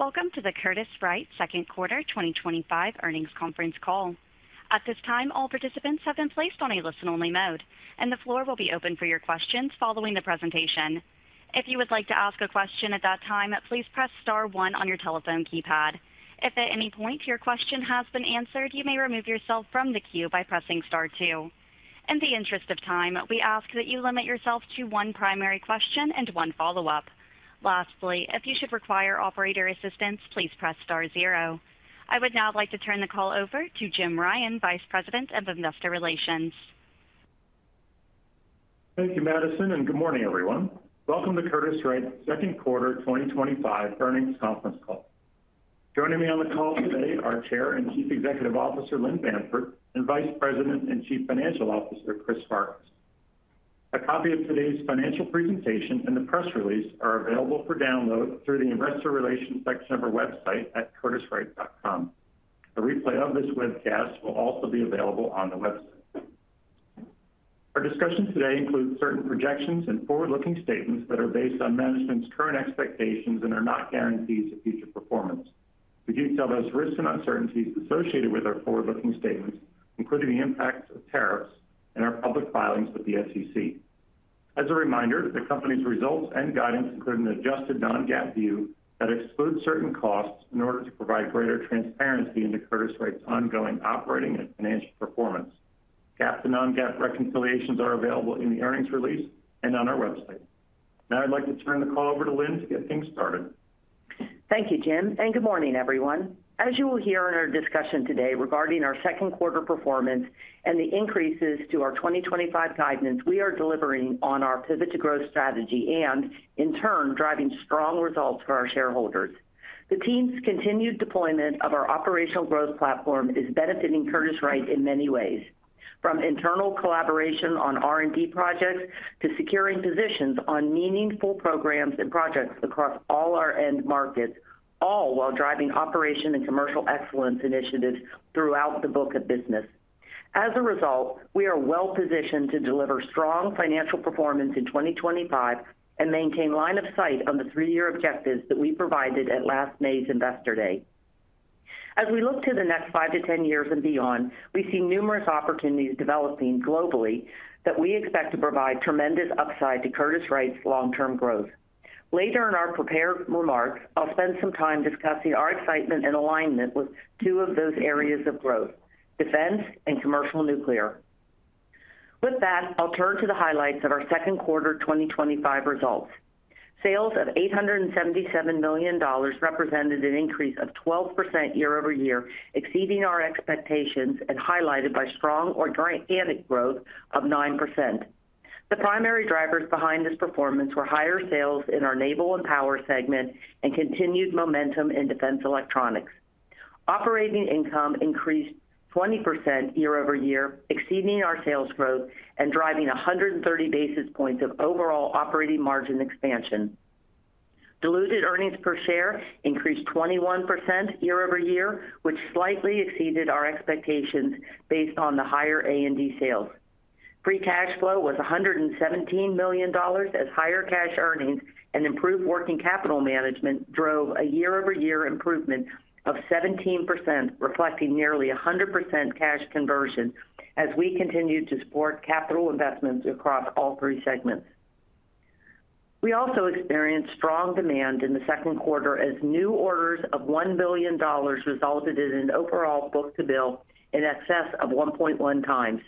Welcome to the Curtiss-Wright second quarter 2025 earnings conference call. At this time, all participants have been placed on a listen-only mode, and the floor will be open for your questions following the presentation. If you would like to ask a question at that time, please press star one on your telephone keypad. If at any point your question has been answered, you may remove yourself from the queue by pressing star two. In the interest of time, we ask that you limit yourself to one primary question and one follow-up. Lastly, if you should require operator assistance, please press star zero. I would now like to turn the call over to Jim Ryan, Vice President of Investor Relations. Thank you, Madison, and good morning, everyone. Welcome to Curtiss-Wright second quarter 2025 earnings conference call. Joining me on the call today are Chair and Chief Executive Officer Lynn Bamford and Vice President and Chief Financial Officer K. Christopher Farkas. A copy of today's financial presentation and the press release are available for download through the Investor Relations section of our website at curtisswright.com. A replay of this webcast will also be available on the website. Our discussion today includes certain projections and forward-looking statements that are based on management's current expectations and are not guarantees of future performance. We do talk about the risks and uncertainties associated with our forward-looking statements, including the impacts of tariffs and our public filings with the SEC. As a reminder, the company's results and guidance include an adjusted non-GAAP view that excludes certain costs in order to provide greater transparency into Curtiss-Wright's ongoing operating and financial performance. GAAP and non-GAAP reconciliations are available in the earnings release and on our website. Now I'd like to turn the call over to Lynn to get things started. Thank you, Jim, and good morning, everyone. As you will hear in our discussion today regarding our second quarter performance and the increases to our 2025 guidance, we are delivering on our pivot to growth strategy and, in turn, driving strong results for our shareholders. The team's continued deployment of our operational growth platform is benefiting Curtiss-Wright in many ways, from internal collaboration on R&D projects to securing positions on meaningful programs and projects across all our end markets, all while driving operation and commercial excellence initiatives throughout the book of business. As a result, we are well positioned to deliver strong financial performance in 2025 and maintain line of sight on the three-year objectives that we provided at last May's Investor Day. As we look to the next five to ten years and beyond, we see numerous opportunities developing globally that we expect to provide tremendous upside to Curtiss-Wright's long-term growth. Later in our prepared remarks, I'll spend some time discussing our excitement and alignment with two of those areas of growth: defense and commercial nuclear. With that, I'll turn to the highlights of our second quarter 2025 results. Sales of $877 million represented an increase of 12% year-over-year, exceeding our expectations and highlighted by strong organic growth of 9%. The primary drivers behind this performance were higher sales in our naval and power segment and continued momentum in defense electronics. Operating income increased 20% year-over-year, exceeding our sales growth and driving 130 basis points of overall operating margin expansion. Diluted EPS increased 21% year-over-year, which slightly exceeded our expectations based on the higher A&D sales. Free cash flow was $117 million, as higher cash earnings and improved working capital management drove a year-over-year improvement of 17%, reflecting nearly 100% cash conversion as we continued to support capital investments across all three segments. We also experienced strong demand in the second quarter, as new orders of $1 billion resulted in an overall book-to-bill in excess of 1.1 times.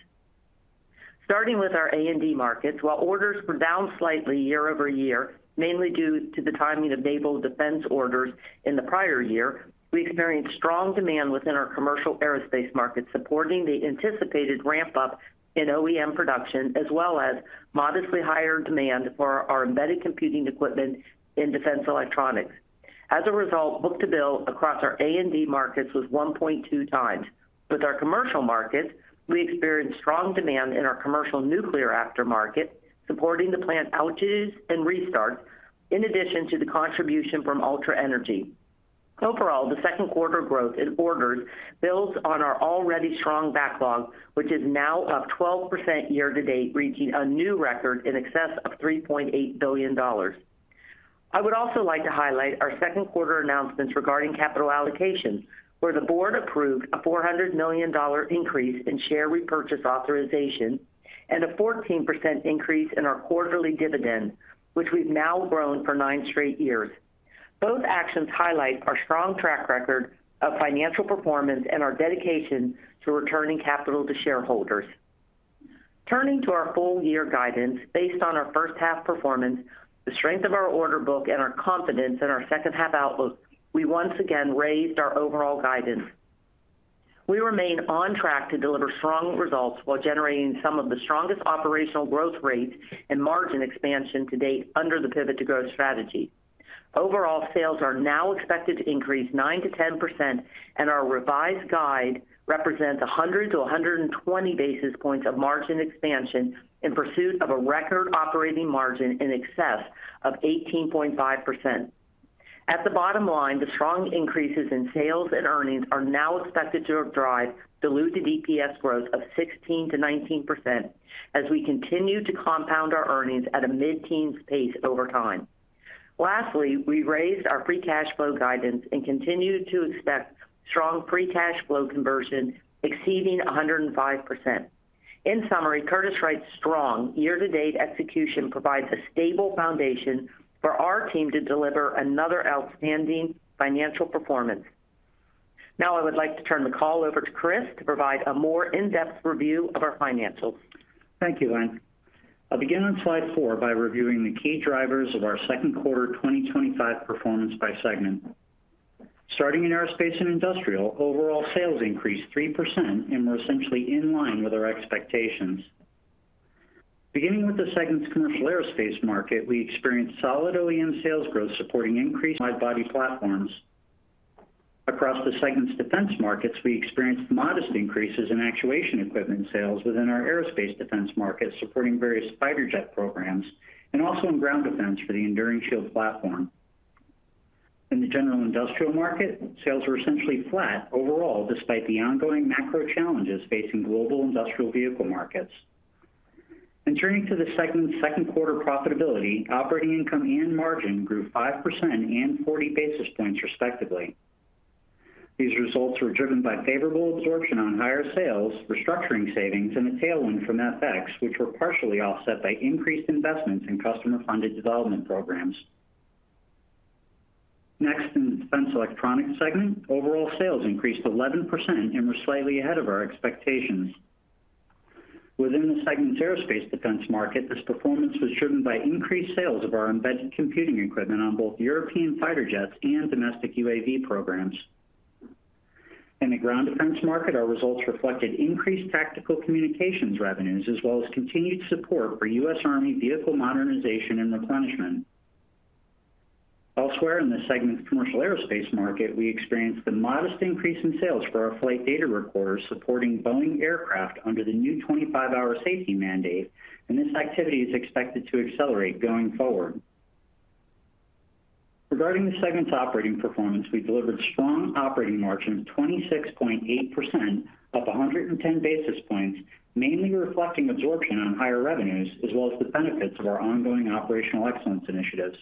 Starting with our A&D markets, while orders were down slightly year-over-year, mainly due to the timing of naval defense orders in the prior year, we experienced strong demand within our commercial aerospace market, supporting the anticipated ramp-up in OEM production, as well as modestly higher demand for our embedded computing equipment in defense electronics. As a result, book-to-bill across our A&D markets was 1.2 times. With our commercial markets, we experienced strong demand in our commercial nuclear aftermarket, supporting the plant outages and restarts, in addition to the contribution from Ultra Energy. Overall, the second quarter growth in orders builds on our already strong backlog, which is now up 12% year to date, reaching a new record in excess of $3.8 billion. I would also like to highlight our second quarter announcements regarding capital allocation, where the board approved a $400 million increase in share repurchase authorization and a 14% increase in our quarterly dividend, which we've now grown for nine straight years. Both actions highlight our strong track record of financial performance and our dedication to returning capital to shareholders. Turning to our full-year guidance, based on our first half performance, the strength of our order book, and our confidence in our second half outlook, we once again raised our overall guidance. We remain on track to deliver strong results while generating some of the strongest operational growth rates and margin expansion to date under the pivot to growth strategy. Overall, sales are now expected to increase 9%-10%, and our revised guide represents 100-120 basis points of margin expansion in pursuit of a record operating margin in excess of 18.5%. At the bottom line, the strong increases in sales and earnings are now expected to drive diluted EPS growth of 16%-19% as we continue to compound our earnings at a mid-teens pace over time. Lastly, we raised our free cash flow guidance and continue to expect strong free cash flow conversion exceeding 105%. In summary, Curtiss-Wright's strong year-to-date execution provides a stable foundation for our team to deliver another outstanding financial performance. Now I would like to turn the call over to Chris to provide a more in-depth review of our financials. Thank you, Lynn. I'll begin on slide four by reviewing the key drivers of our second quarter 2025 performance by segment. Starting in aerospace and industrial, overall sales increased 3% and were essentially in line with our expectations. Beginning with the segment's commercial aerospace market, we experienced solid OEM sales growth, supporting increased wide-body platforms. Across the segment's defense markets, we experienced modest increases in actuation equipment sales within our aerospace defense market, supporting various fighter jet programs and also in ground defense for the Enduring Shield platform. In the general industrial market, sales were essentially flat overall, despite the ongoing macro challenges facing global industrial vehicle markets. Turning to the segment's second quarter profitability, operating income and margin grew 5% and 40 basis points respectively. These results were driven by favorable absorption on higher sales, restructuring savings, and a tailwind from FX, which were partially offset by increased investments in customer-funded development programs. Next, in the defense electronics segment, overall sales increased 11% and were slightly ahead of our expectations. Within the segment's aerospace defense market, this performance was driven by increased sales of our embedded computing equipment on both European fighter jets and domestic UAV programs. In the ground defense market, our results reflected increased tactical communications revenues, as well as continued support for U.S. Army vehicle modernization and replenishment. Elsewhere in the segment's commercial aerospace market, we experienced a modest increase in sales for our flight data recorders, supporting Boeing aircraft under the new 25-hour safety mandate, and this activity is expected to accelerate going forward. Regarding the segment's operating performance, we delivered strong operating margin of 26.8%, up 110 basis points, mainly reflecting absorption on higher revenues, as well as the benefits of our ongoing operational excellence initiatives.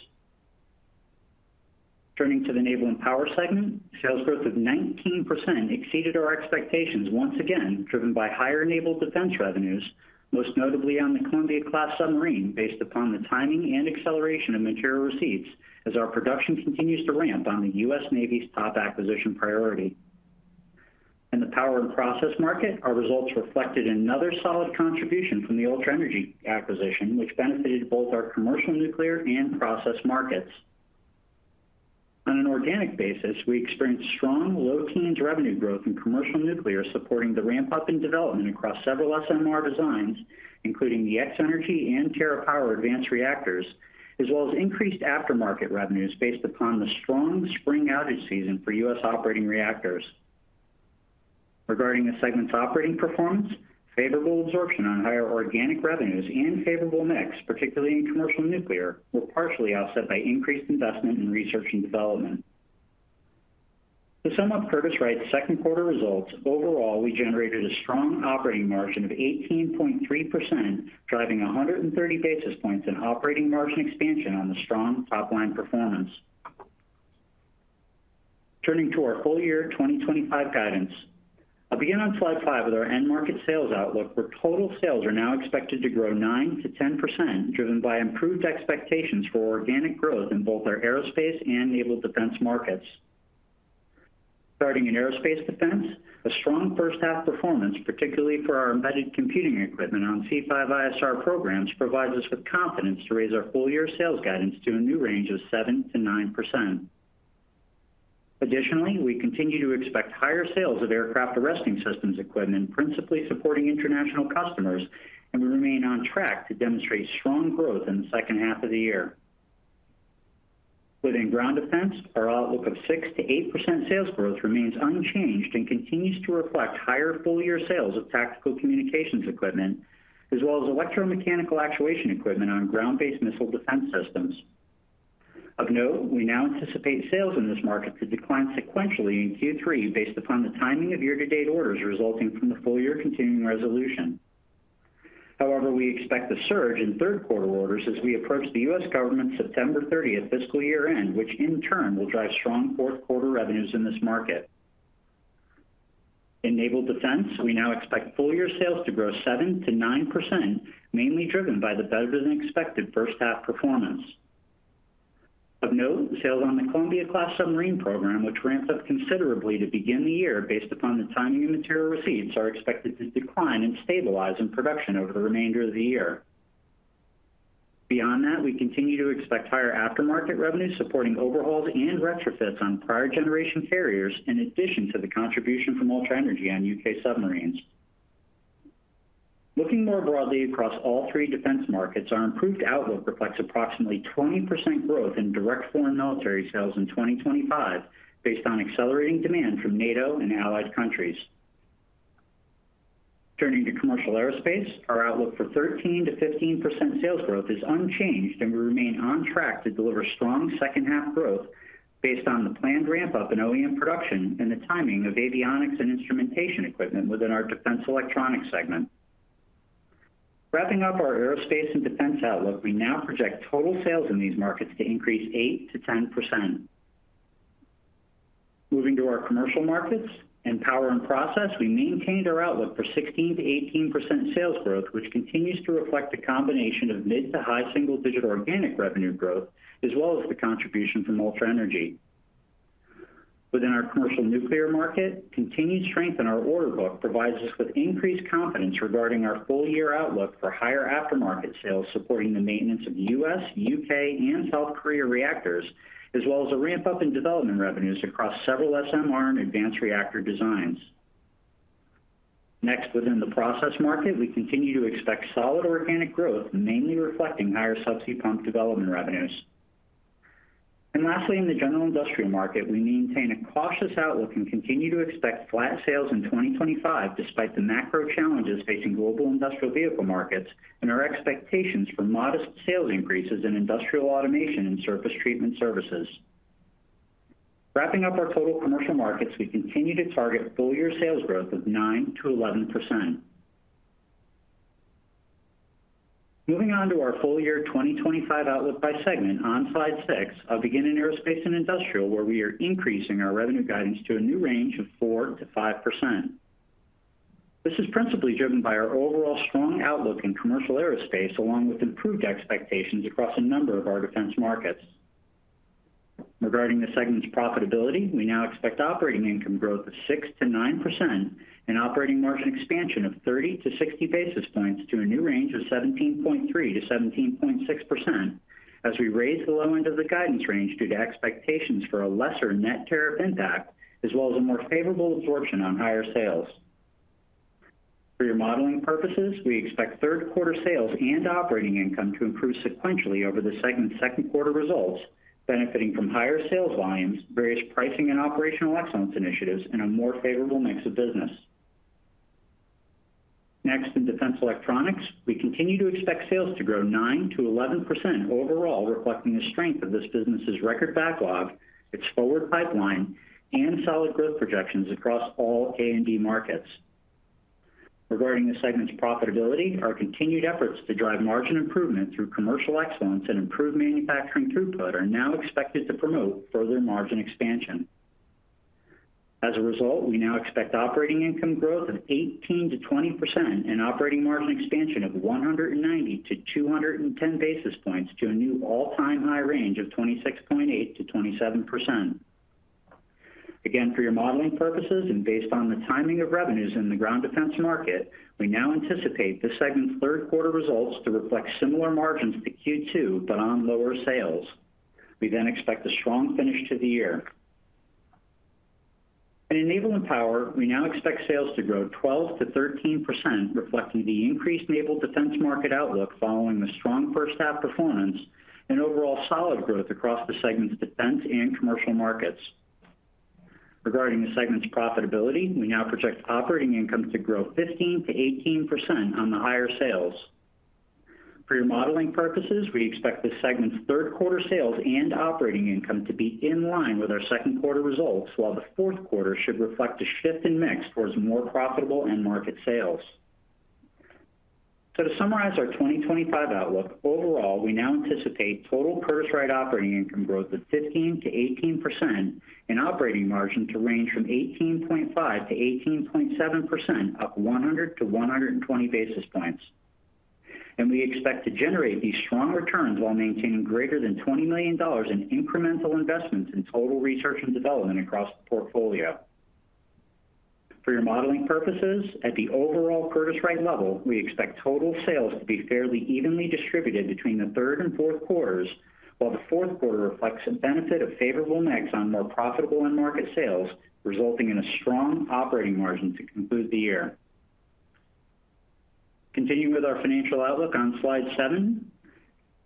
Turning to the naval and power segment, sales growth of 19% exceeded our expectations, once again driven by higher naval defense revenues, most notably on the Columbia-class submarine, based upon the timing and acceleration of material receipts as our production continues to ramp on the U.S. Navy's top acquisition priority. In the power and process market, our results reflected another solid contribution from the Ultra Energy acquisition, which benefited both our commercial nuclear and process markets. On an organic basis, we experienced strong low-teens revenue growth in commercial nuclear, supporting the ramp-up in development across several SMR designs, including the X Energy and TerraPower advanced reactors, as well as increased aftermarket revenues based upon the strong spring outage season for U.S. operating reactors. Regarding the segment's operating performance, favorable absorption on higher organic revenues and favorable MEX, particularly in commercial nuclear, were partially offset by increased investment in research and development. To sum up Curtiss-Wright's second quarter results, overall we generated a strong operating margin of 18.3%, driving 130 basis points in operating margin expansion on the strong top-line performance. Turning to our full-year 2025 guidance, I'll begin on slide five with our end market sales outlook, where total sales are now expected to grow 9%-10%, driven by improved expectations for organic growth in both our aerospace and naval defense markets. Starting in aerospace defense, a strong first half performance, particularly for our embedded computing equipment on C5-ISR programs, provides us with confidence to raise our full-year sales guidance to a new range of 7%-9%. Additionally, we continue to expect higher sales of aircraft arresting systems equipment, principally supporting international customers, and we remain on track to demonstrate strong growth in the second half of the year. Within ground defense, our outlook of 6%-8% sales growth remains unchanged and continues to reflect higher full-year sales of tactical communications equipment, as well as electromechanical actuation equipment on ground-based missile defense systems. Of note, we now anticipate sales in this market to decline sequentially in Q3, based upon the timing of year-to-date orders resulting from the full-year continuing resolution. However, we expect a surge in third quarter orders as we approach the U.S. government's September 30th fiscal year end, which in turn will drive strong fourth quarter revenues in this market. In naval defense, we now expect full-year sales to grow 7%-9%, mainly driven by the better-than-expected first half performance. Of note, sales on the Columbia-class submarine program, which ramped up considerably to begin the year based upon the timing of material receipts, are expected to decline and stabilize in production over the remainder of the year. Beyond that, we continue to expect higher aftermarket revenues supporting overhauls and retrofits on prior generation carriers, in addition to the contribution from Ultra Energy on U.K. submarines. Looking more broadly across all three defense markets, our improved outlook reflects approximately 20% growth in direct foreign military sales in 2025, based on accelerating demand from NATO and allied countries. Turning to commercial aerospace, our outlook for 13%-15% sales growth is unchanged, and we remain on track to deliver strong second half growth based on the planned ramp-up in OEM production and the timing of avionics and instrumentation equipment within our defense electronics segment. Wrapping up our aerospace and defense outlook, we now project total sales in these markets to increase 8%-10%. Moving to our commercial markets and power and process, we maintained our outlook for 16%-18% sales growth, which continues to reflect a combination of mid to high single-digit organic revenue growth, as well as the contribution from Ultra Energy. Within our commercial nuclear market, continued strength in our order book provides us with increased confidence regarding our full-year outlook for higher aftermarket sales, supporting the maintenance of the U.S., U.K., and South Korea reactors, as well as a ramp-up in development revenues across several SMR and advanced reactor designs. Next, within the process market, we continue to expect solid organic growth, mainly reflecting higher subsea pump development revenues. Lastly, in the general industrial market, we maintain a cautious outlook and continue to expect flat sales in 2025, despite the macro challenges facing global industrial vehicle markets and our expectations for modest sales increases in industrial automation and surface treatment services. Wrapping up our total commercial markets, we continue to target full-year sales growth of 9%-11%. Moving on to our full-year 2025 outlook by segment, on slide six, I'll begin in aerospace and industrial, where we are increasing our revenue guidance to a new range of 4%-5%. This is principally driven by our overall strong outlook in commercial aerospace, along with improved expectations across a number of our defense markets. Regarding the segment's profitability, we now expect operating income growth of 6%-9% and operating margin expansion of 30-60 basis points to a new range of 17.3%-17.6%, as we raise the low end of the guidance range due to expectations for a lesser net tariff impact, as well as a more favorable absorption on higher sales. For your modeling purposes, we expect third quarter sales and operating income to improve sequentially over the segment's second quarter results, benefiting from higher sales volumes, various pricing and operational excellence initiatives, and a more favorable mix of business. Next, in defense electronics, we continue to expect sales to grow 9 %-11% overall, reflecting the strength of this business's record backlog, its forward pipeline, and solid growth projections across all A&D markets. Regarding the segment's profitability, our continued efforts to drive margin improvement through commercial excellence and improved manufacturing throughput are now expected to promote further margin expansion. As a result, we now expect operating income growth of 18%-20% and operating margin expansion of 190-210 basis points to a new all-time high range of 26.8%-27%. For your modeling purposes and based on the timing of revenues in the ground defense market, we now anticipate the segment's third quarter results to reflect similar margins to Q2, but on lower sales. We expect a strong finish to the year. In naval and power, we now expect sales to grow 12%-13%, reflecting the increased naval defense market outlook following the strong first half performance and overall solid growth across the segment's defense and commercial markets. Regarding the segment's profitability, we now project operating income to grow 15%-18% on the higher sales. For your modeling purposes, we expect the segment's third quarter sales and operating income to be in line with our second quarter results, while the fourth quarter should reflect a shift in mix towards more profitable end market sales. To summarize our 2025 outlook, overall, we now anticipate total Curtiss-Wright operating income growth of 15%-18% and operating margin to range from 18.5%-18.7%, up 100-120 basis points. We expect to generate these strong returns while maintaining greater than $20 million in incremental investments in total research and development across the portfolio. For your modeling purposes, at the overall Curtiss-Wright Corporation level, we expect total sales to be fairly evenly distributed between the third and fourth quarters, while the fourth quarter reflects a benefit of favorable mix on more profitable end market sales, resulting in a strong operating margin to conclude the year. Continuing with our financial outlook on slide seven,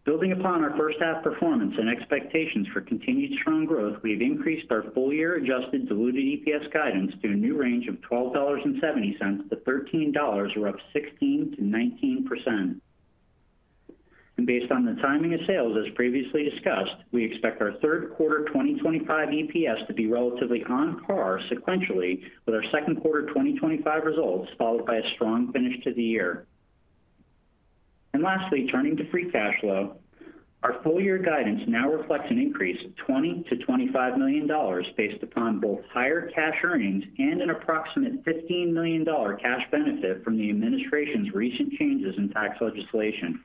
building upon our first half performance and expectations for continued strong growth, we've increased our full-year adjusted diluted EPS guidance to a new range of $12.70-$13.00, we're up 16%-19%. Based on the timing of sales, as previously discussed, we expect our third quarter 2025 EPS to be relatively on par sequentially with our second quarter 2025 results, followed by a strong finish to the year. Lastly, turning to free cash flow, our full-year guidance now reflects an increase of $20 million-$25 million based upon both higher cash earnings and an approximate $15 million cash benefit from the administration's recent changes in tax legislation.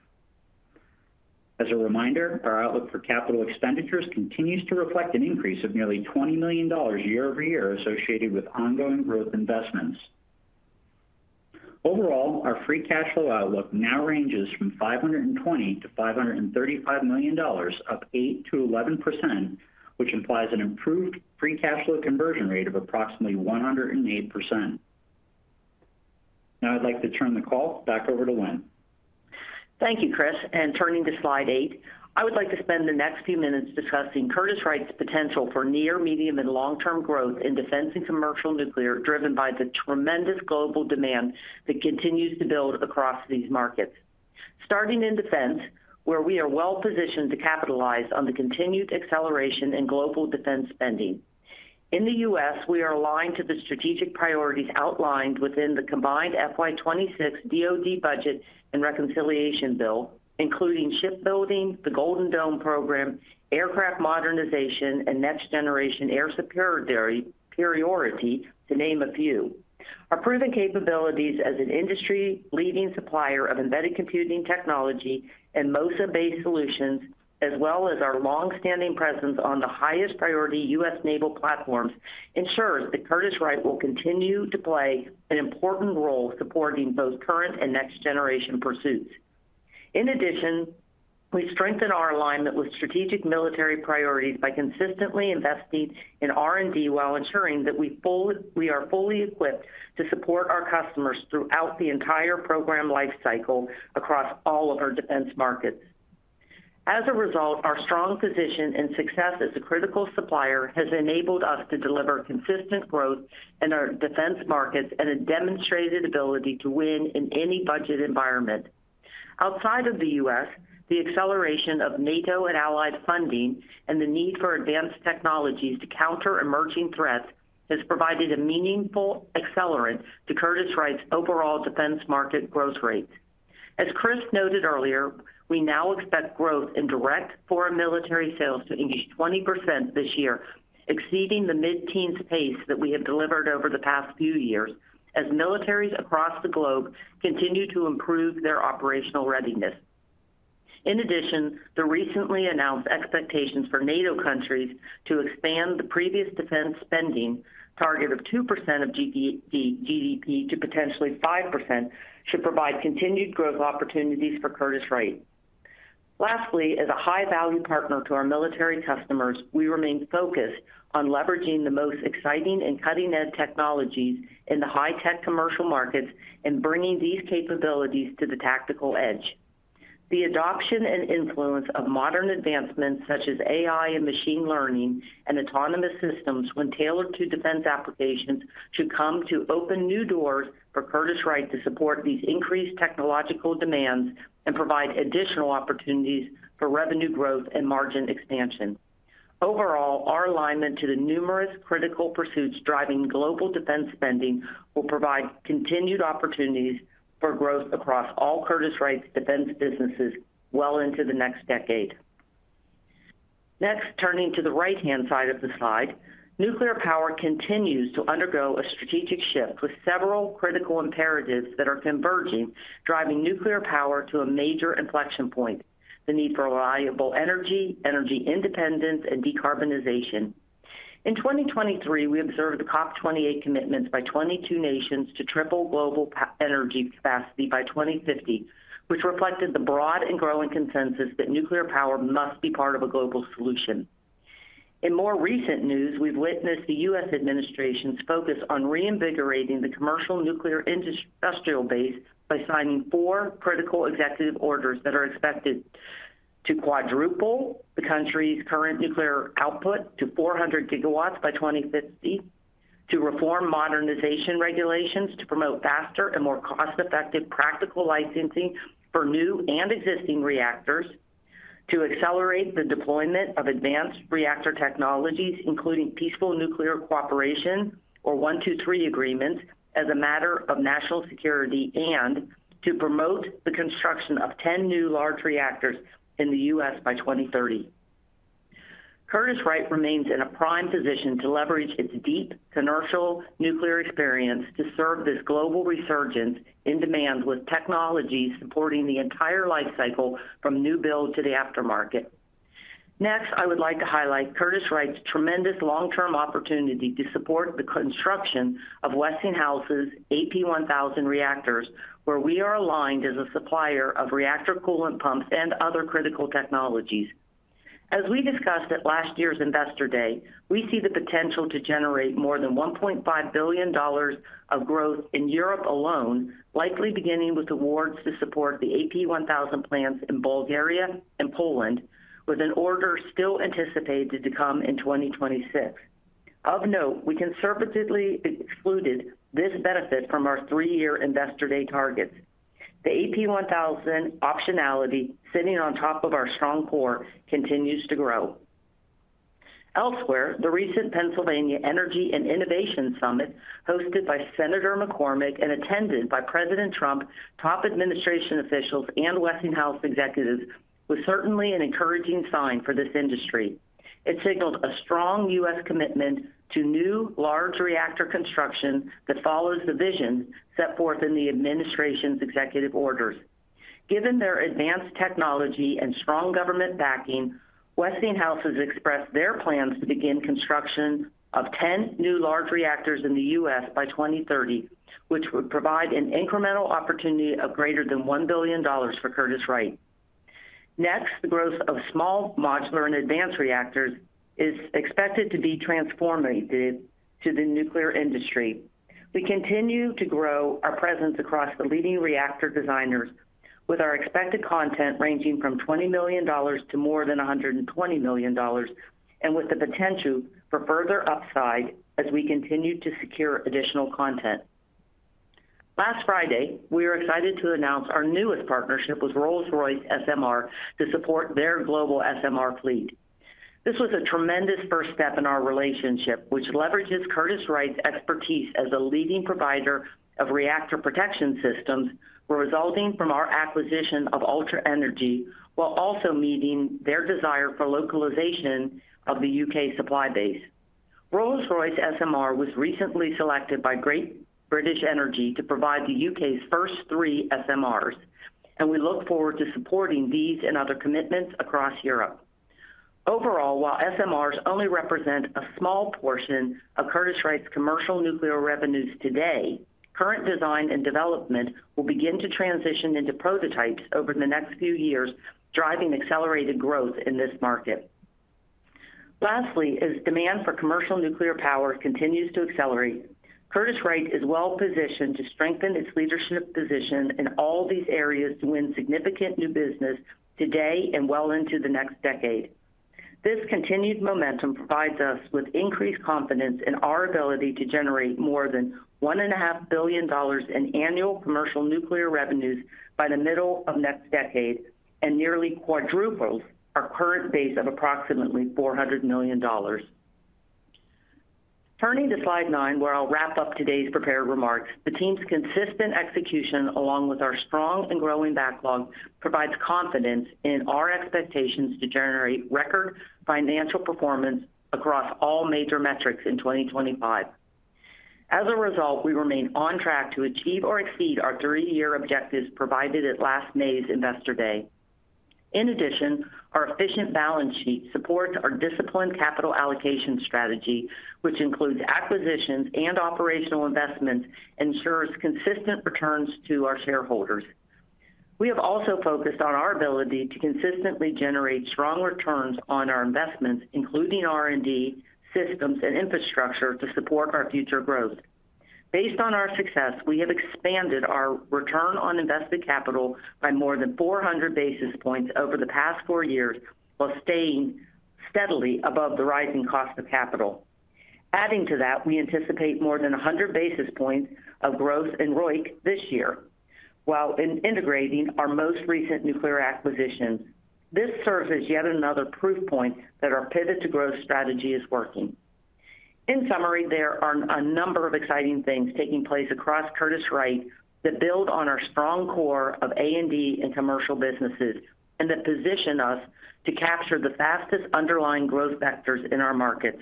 As a reminder, our outlook for capital expenditures continues to reflect an increase of nearly $20 million year-over-year associated with ongoing growth investments. Overall, our free cash flow outlook now ranges from $520 million-$535 million, up 8%-11%, which implies an improved free cash flow conversion rate of approximately 108%. Now I'd like to turn the call back over to Lynn. Thank you, Chris. Turning to slide eight, I would like to spend the next few minutes discussing Curtiss-Wright's potential for near, medium, and long-term growth in defense and commercial nuclear, driven by the tremendous global demand that continues to build across these markets. Starting in defense, where we are well positioned to capitalize on the continued acceleration in global defense spending. In the U.S., we are aligned to the strategic priorities outlined within the combined FY 2026 U.S. Department of Defense budget and reconciliation bill, including ship building, the Golden Dome program, aircraft modernization, and next-generation air superiority, to name a few. Our proven capabilities as an industry-leading supplier of embedded computing technology and MOSA-based solutions, as well as our long-standing presence on the highest priority U.S. naval platforms, ensure that Curtiss-Wright will continue to play an important role supporting both current and next-generation pursuits. In addition, we strengthen our alignment with strategic military priorities by consistently investing in R&D while ensuring that we are fully equipped to support our customers throughout the entire program lifecycle across all of our defense markets. As a result, our strong position and success as a critical supplier has enabled us to deliver consistent growth in our defense markets and a demonstrated ability to win in any budget environment. Outside of the U.S., the acceleration of NATO and allied funding and the need for advanced technologies to counter emerging threats has provided a meaningful accelerant to Curtiss-Wright's overall defense market growth rate. As Chris noted earlier, we now expect growth in direct foreign military sales to increase 20% this year, exceeding the mid-teens pace that we have delivered over the past few years, as militaries across the globe continue to improve their operational readiness. In addition, the recently announced expectations for NATO countries to expand the previous defense spending target of 2% of GDP to potentially 5% should provide continued growth opportunities for Curtiss-Wright. Lastly, as a high-value partner to our military customers, we remain focused on leveraging the most exciting and cutting-edge technologies in the high-tech commercial markets and bringing these capabilities to the tactical edge. The adoption and influence of modern advancements such as AI and machine learning and autonomous systems, when tailored to defense applications, should come to open new doors for Curtiss-Wright to support these increased technological demands and provide additional opportunities for revenue growth and margin expansion. Overall, our alignment to the numerous critical pursuits driving global defense spending will provide continued opportunities for growth across all Curtiss-Wright's defense businesses well into the next decade. Next, turning to the right-hand side of the slide, nuclear power continues to undergo a strategic shift with several critical imperatives that are converging, driving nuclear power to a major inflection point: the need for reliable energy, energy independence, and decarbonization. In 2023, we observed the COP28 commitments by 22 nations to triple global energy capacity by 2050, which reflected the broad and growing consensus that nuclear power must be part of a global solution. In more recent news, we've witnessed the U.S. administration's focus on reinvigorating the commercial nuclear industrial base by signing four critical executive orders that are expected to quadruple the country's current nuclear output to 400 GW by 2050, to reform modernization regulations to promote faster and more cost-effective practical licensing for new and existing reactors, to accelerate the deployment of advanced reactor technologies, including peaceful nuclear cooperation or 123 agreements as a matter of national security, and to promote the construction of 10 new large reactors in the U.S. by 2030. Curtiss-Wright remains in a prime position to leverage its deep commercial nuclear experience to serve this global resurgence in demand with technology supporting the entire lifecycle from new build to the aftermarket. Next, I would like to highlight Curtiss-Wright's tremendous long-term opportunity to support the construction of Westinghouse's AP1000 reactors, where we are aligned as a supplier of reactor coolant pumps and other critical technologies. As we discussed at last year's Investor Day, we see the potential to generate more than $1.5 billion of growth in Europe alone, likely beginning with awards to support the AP1000 plants in Bulgaria and Poland, with an order still anticipated to come in 2026. Of note, we conservatively excluded this benefit from our three-year Investor Day targets. The AP1000 optionality, sitting on top of our strong core, continues to grow. Elsewhere, the recent Pennsylvania Energy and Innovation Summit, hosted by Senator McCormick and attended by President Trump, top administration officials, and Westinghouse executives, was certainly an encouraging sign for this industry. It signaled a strong U.S. commitment to new large reactor construction that follows the vision set forth in the administration's executive orders. Given their advanced technology and strong government backing, Westinghouse has expressed their plans to begin construction of 10 new large reactors in the U.S. by 2030, which would provide an incremental opportunity of greater than $1 billion for Curtiss-Wright. Next, the growth of small modular and advanced reactors is expected to be transformative to the nuclear industry. We continue to grow our presence across the leading reactor designers, with our expected content ranging from $20 million to more than $120 million, and with the potential for further upside as we continue to secure additional content. Last Friday, we are excited to announce our newest partnership with Rolls-Royce SMR to support their global SMR fleet. This was a tremendous first step in our relationship, which leverages Curtiss-Wright's expertise as a leading provider of reactor protection systems, resulting from our acquisition of Ultra Energy, while also meeting their desire for localization of the U.K. supply base. Rolls-Royce SMR was recently selected by Great British Energy to provide the U.K.'s first three SMRs, and we look forward to supporting these and other commitments across Europe. Overall, while SMRs only represent a small portion of Curtiss-Wright's commercial nuclear revenues today, current design and development will begin to transition into prototypes over the next few years, driving accelerated growth in this market. Lastly, as demand for commercial nuclear power continues to accelerate, Curtiss-Wright is well positioned to strengthen its leadership position in all these areas to win significant new business today and well into the next decade. This continued momentum provides us with increased confidence in our ability to generate more than $1.5 billion in annual commercial nuclear revenues by the middle of next decade and nearly quadruple our current base of approximately $400 million. Turning to slide nine, where I'll wrap up today's prepared remarks, the team's consistent execution, along with our strong and growing backlog, provides confidence in our expectations to generate record financial performance across all major metrics in 2025. As a result, we remain on track to achieve or exceed our three-year objectives provided at last May's Investor Day. In addition, our efficient balance sheet supports our disciplined capital allocation strategy, which includes acquisitions and operational investments and ensures consistent returns to our shareholders. We have also focused on our ability to consistently generate strong returns on our investments, including R&D systems and infrastructure, to support our future growth. Based on our success, we have expanded our return on invested capital by more than 400 basis points over the past four years, while staying steadily above the rising cost of capital. Adding to that, we anticipate more than 100 basis points of growth in ROIC this year, while integrating our most recent nuclear acquisition. This serves as yet another proof point that our pivot to growth strategy is working. In summary, there are a number of exciting things taking place across Curtiss-Wright that build on our strong core of A&D and commercial businesses and that position us to capture the fastest underlying growth vectors in our markets.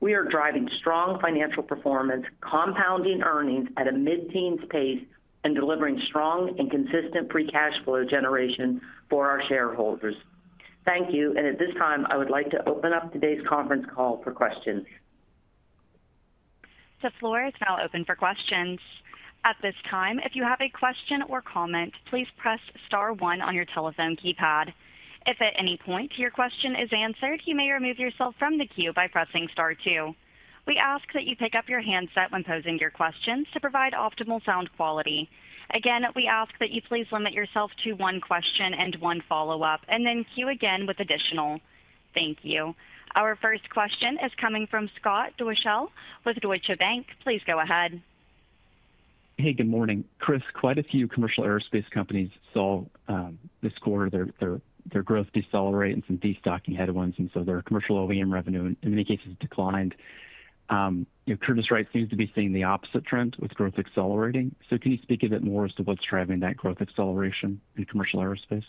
We are driving strong financial performance, compounding earnings at a mid-teens pace, and delivering strong and consistent free cash flow generation for our shareholders. Thank you. At this time, I would like to open up today's conference call for questions. The floor is now open for questions. At this time, if you have a question or comment, please press star one on your telephone keypad. If at any point your question is answered, you may remove yourself from the queue by pressing star two. We ask that you pick up your handset when posing your questions to provide optimal sound quality. Again, we ask that you please limit yourself to one question and one follow-up, and then queue again with additional. Thank you. Our first question is coming from Scott Deuschle with Deutsche Bank. Please go ahead. Hey, good morning. Chris, quite a few commercial aerospace companies saw this quarter their growth decelerate and some destocking headwinds, and their commercial OEM revenue in many cases declined. Curtiss-Wright seems to be seeing the opposite trend with growth accelerating. Can you speak a bit more as to what's driving that growth acceleration in commercial aerospace?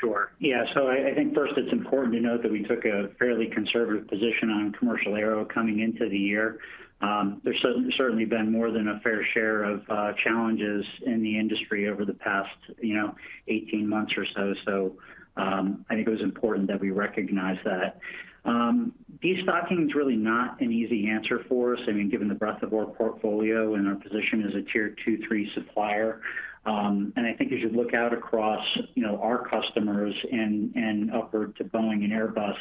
Sure. Yeah. I think first it's important to note that we took a fairly conservative position on commercial aero coming into the year. There's certainly been more than a fair share of challenges in the industry over the past 18 months or so. I think it was important that we recognize that. Destocking is really not an easy answer for us. I mean, given the breadth of our portfolio and our position as a tier two-three supplier, I think as you look out across our customers and upward to Boeing and Airbus,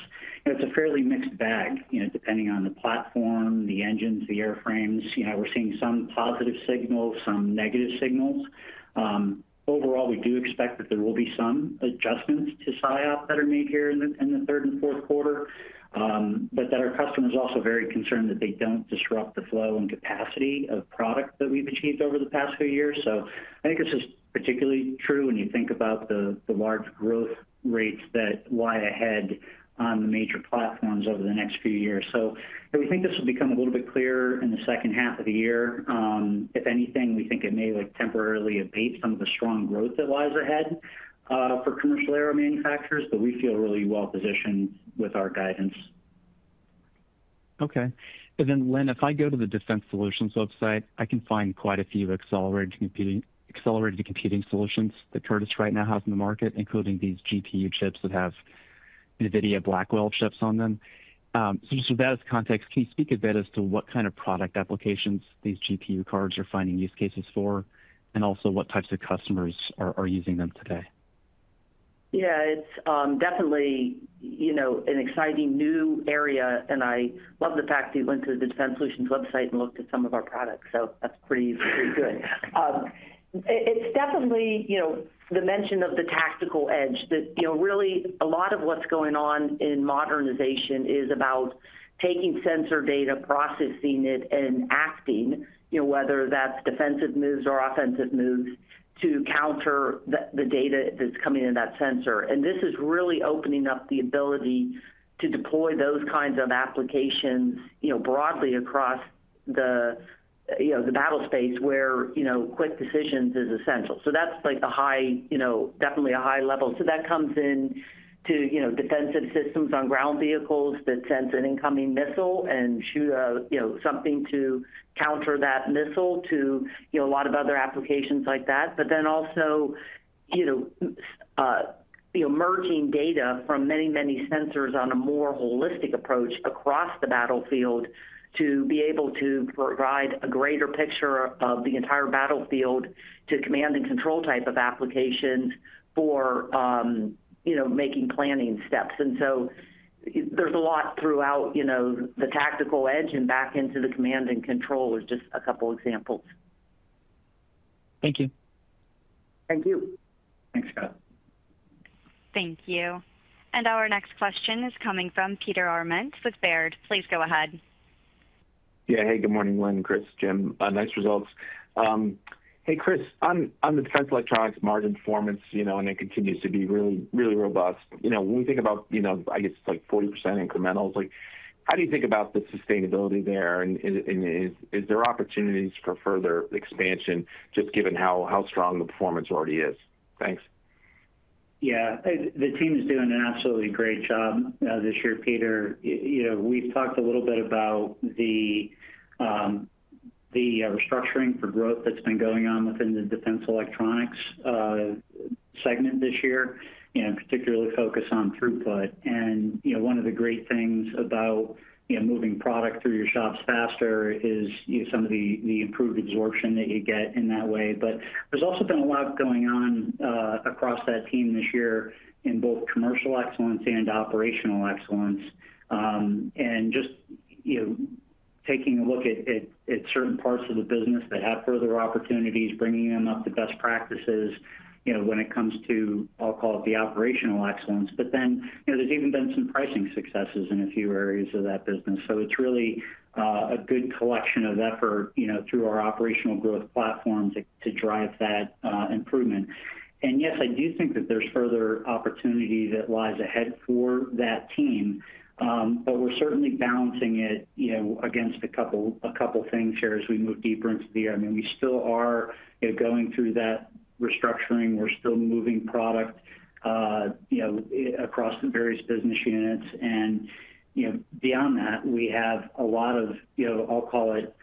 it's a fairly mixed bag, depending on the platform, the engines, the airframes. We're seeing some positive signals, some negative signals. Overall, we do expect that there will be some adjustments to SIOP that are made here in the third and fourth quarter, but our customers are also very concerned that they don't disrupt the flow and capacity of product that we've achieved over the past few years. I think this is particularly true when you think about the large growth rates that lie ahead on the major platforms over the next few years. We think this will become a little bit clearer in the second half of the year. If anything, we think it may temporarily abate some of the strong growth that lies ahead for commercial aero manufacturers, but we feel really well positioned with our guidance. Okay. Lynn, if I go to the defense solutions website, I can find quite a few accelerated computing solutions that Curtiss-Wright now has in the market, including these GPU chips that have NVIDIA Blackwell chips on them. Just for that as context, can you speak a bit as to what kind of product applications these GPU cards you're finding use cases for and also what types of customers are using them today? Yeah, it's definitely an exciting new area, and I love the fact that you went to the defense solutions website and looked at some of our products. That's pretty good. It's definitely, you know, the mention of the tactical edge that, you know, really a lot of what's going on in modernization is about taking sensor data, processing it, and asking, you know, whether that's defensive moves or offensive moves to counter the data that's coming in that sensor. This is really opening up the ability to deploy those kinds of applications broadly across the battle space where quick decisions are essential. That's like the high, you know, definitely a high level. That comes in to defensive systems on ground vehicles that sense an incoming missile and shoot something to counter that missile to a lot of other applications like that. Also, merging data from many, many sensors on a more holistic approach across the battlefield to be able to provide a greater picture of the entire battlefield to command and control type of applications for making planning steps. There's a lot throughout the tactical edge and back into the command and control are just a couple of examples. Thank you. Thank you. Thanks, Scott. Thank you. Our next question is coming from Peter Arment with Baird. Please go ahead. Yeah. Hey, good morning, Lynn, Chris, Jim, nice results. Hey, Chris, on the defense electronics margin performance, you know, it continues to be really, really robust. You know, when we think about, you know, I guess it's like 40% incremental. It's like, how do you think about the sustainability there? Is there opportunities for further expansion just given how strong the performance already is? Thanks. Yeah, the team is doing an absolutely great job this year, Peter. We've talked a little bit about the restructuring for growth that's been going on within the defense electronics segment this year and particularly focus on throughput. One of the great things about moving product through your shops faster is some of the improved absorption that you get in that way. There's also been a lot going on across that team this year in both commercial excellence and operational excellence. Just taking a look at certain parts of the business that have further opportunities, bringing them up to best practices when it comes to, I'll call it, the operational excellence. There's even been some pricing successes in a few areas of that business. It's really a good collection of effort through our operational growth platform to drive that improvement. Yes, I do think that there's further opportunity that lies ahead for that team, but we're certainly balancing it against a couple of things here as we move deeper into the year. We still are going through that restructuring. We're still moving product across the various business units. Beyond that, we have a lot of, I'll call it,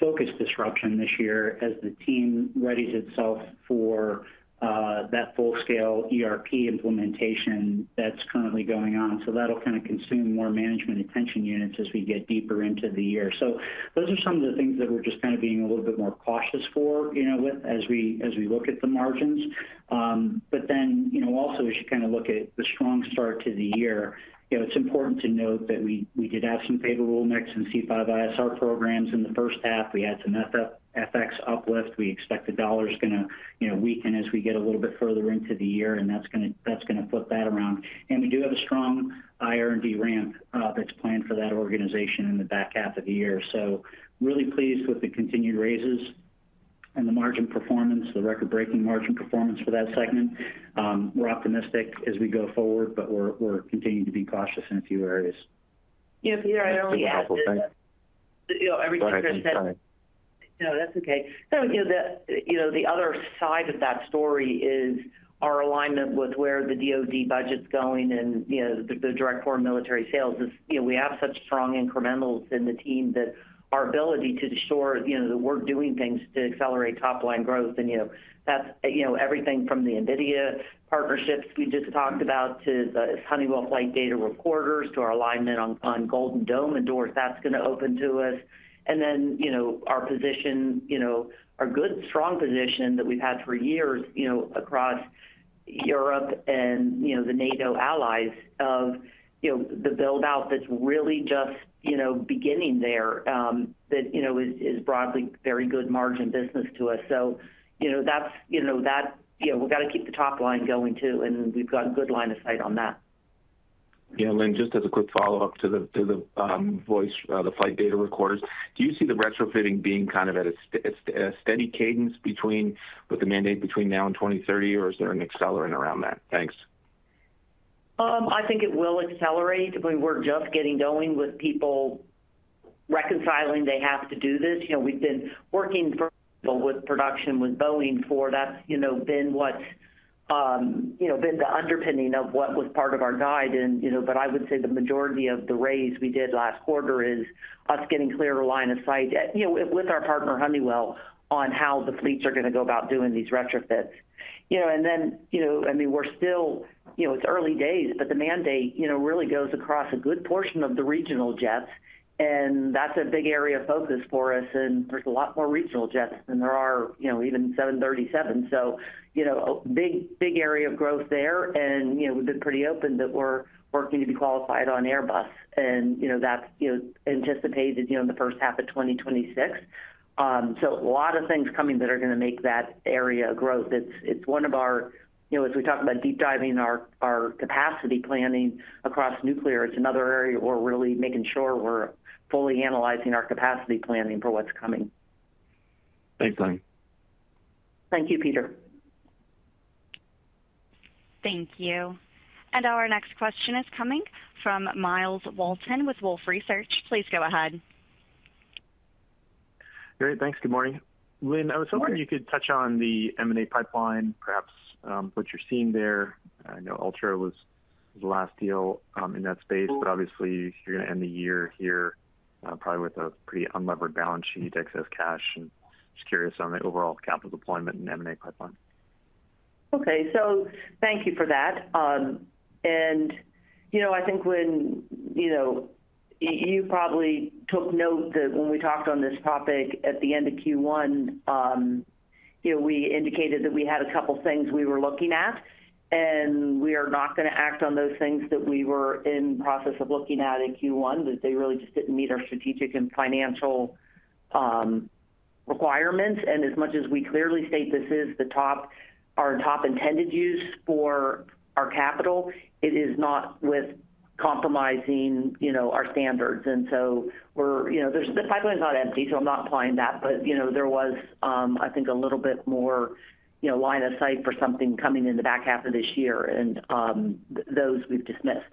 focus disruption this year as the team readies itself for that full-scale ERP implementation that's currently going on. That'll kind of consume more management attention units as we get deeper into the year. Those are some of the things that we're just kind of being a little bit more cautious for as we look at the margins. Also, as you kind of look at the strong start to the year, it's important to note that we did have some favorable mix in C5-ISR programs in the first half. We had some FX uplift. We expect the dollar is going to weaken as we get a little bit further into the year, and that's going to flip that around. We do have a strong IR&D ramp that's planned for that organization in the back half of the year. Really pleased with the continued raises and the margin performance, the record-breaking margin performance for that segment. We're optimistic as we go forward, but we're continuing to be cautious in a few areas. Yeah, Peter. I only have a couple of things. Yeah, everything's good. No, that's okay. The other side of that story is our alignment with where the U.S. Department of Defense budget's going and the direct foreign military sales is, we have such strong incrementals in the team that our ability to assure we're doing things to accelerate top-line growth. That's everything from the NVIDIA partnerships we just talked about to the Honeywell Flight Data Recorders to our alignment on Golden Dome and doors that's going to open to us. Our position, our good and strong position that we've had for years across Europe and the NATO allies of the build-out that's really just beginning there, is broadly very good margin business to us. We've got to keep the top line going too, and we've got a good line of sight on that. Yeah, Lynn, just as a quick follow-up to the voice, the flight data recorders, do you see the retrofitting being kind of at its steady cadence with the mandate between now and 2030, or is there an accelerant around that? Thanks. I think it will accelerate. I mean, we're getting going with people reconciling they have to do this. We've been working with production with Boeing for that, you know, been what's been the underpinning of what was part of our guide. I would say the majority of the raise we did last quarter is us getting clearer line of sight with our partner Honeywell on how the fleets are going to go about doing these retrofits. It's early days, but the mandate really goes across a good portion of the regional jets, and that's a big area of focus for us. There are a lot more regional jets than there are even 737. A big, big area of growth there. We've been pretty open that we're working to be qualified on Airbus, and that's anticipated in the first half of 2026. A lot of things are coming that are going to make that area growth. It's one of our, as we talk about deep diving our capacity planning across nuclear, it's another area we're really making sure we're fully analyzing our capacity planning for what's coming. Thanks, Lynn. Thank you, Peter. Thank you. Our next question is coming from Myles Walton with Wolfe Research. Please go ahead. Great. Thanks. Good morning. Lynn, I was hoping you could touch on the M&A pipeline, perhaps what you're seeing there. I know Ultra was the last deal in that space, but obviously you're going to end the year here probably with a pretty unlevered balance sheet to excess cash. Just curious on the overall capital deployment and M&A pipeline. Okay. Thank you for that. I think when you probably took note that when we talked on this topic at the end of Q1, we indicated that we had a couple of things we were looking at, and we are not going to act on those things that we were in the process of looking at in Q1, that they really just didn't meet our strategic and financial requirements. As much as we clearly state this is our top intended use for our capital, it is not with compromising our standards. The pipeline is not empty, so I'm not implying that. I think there was a little bit more line of sight for something coming in the back half of this year, and those we've dismissed.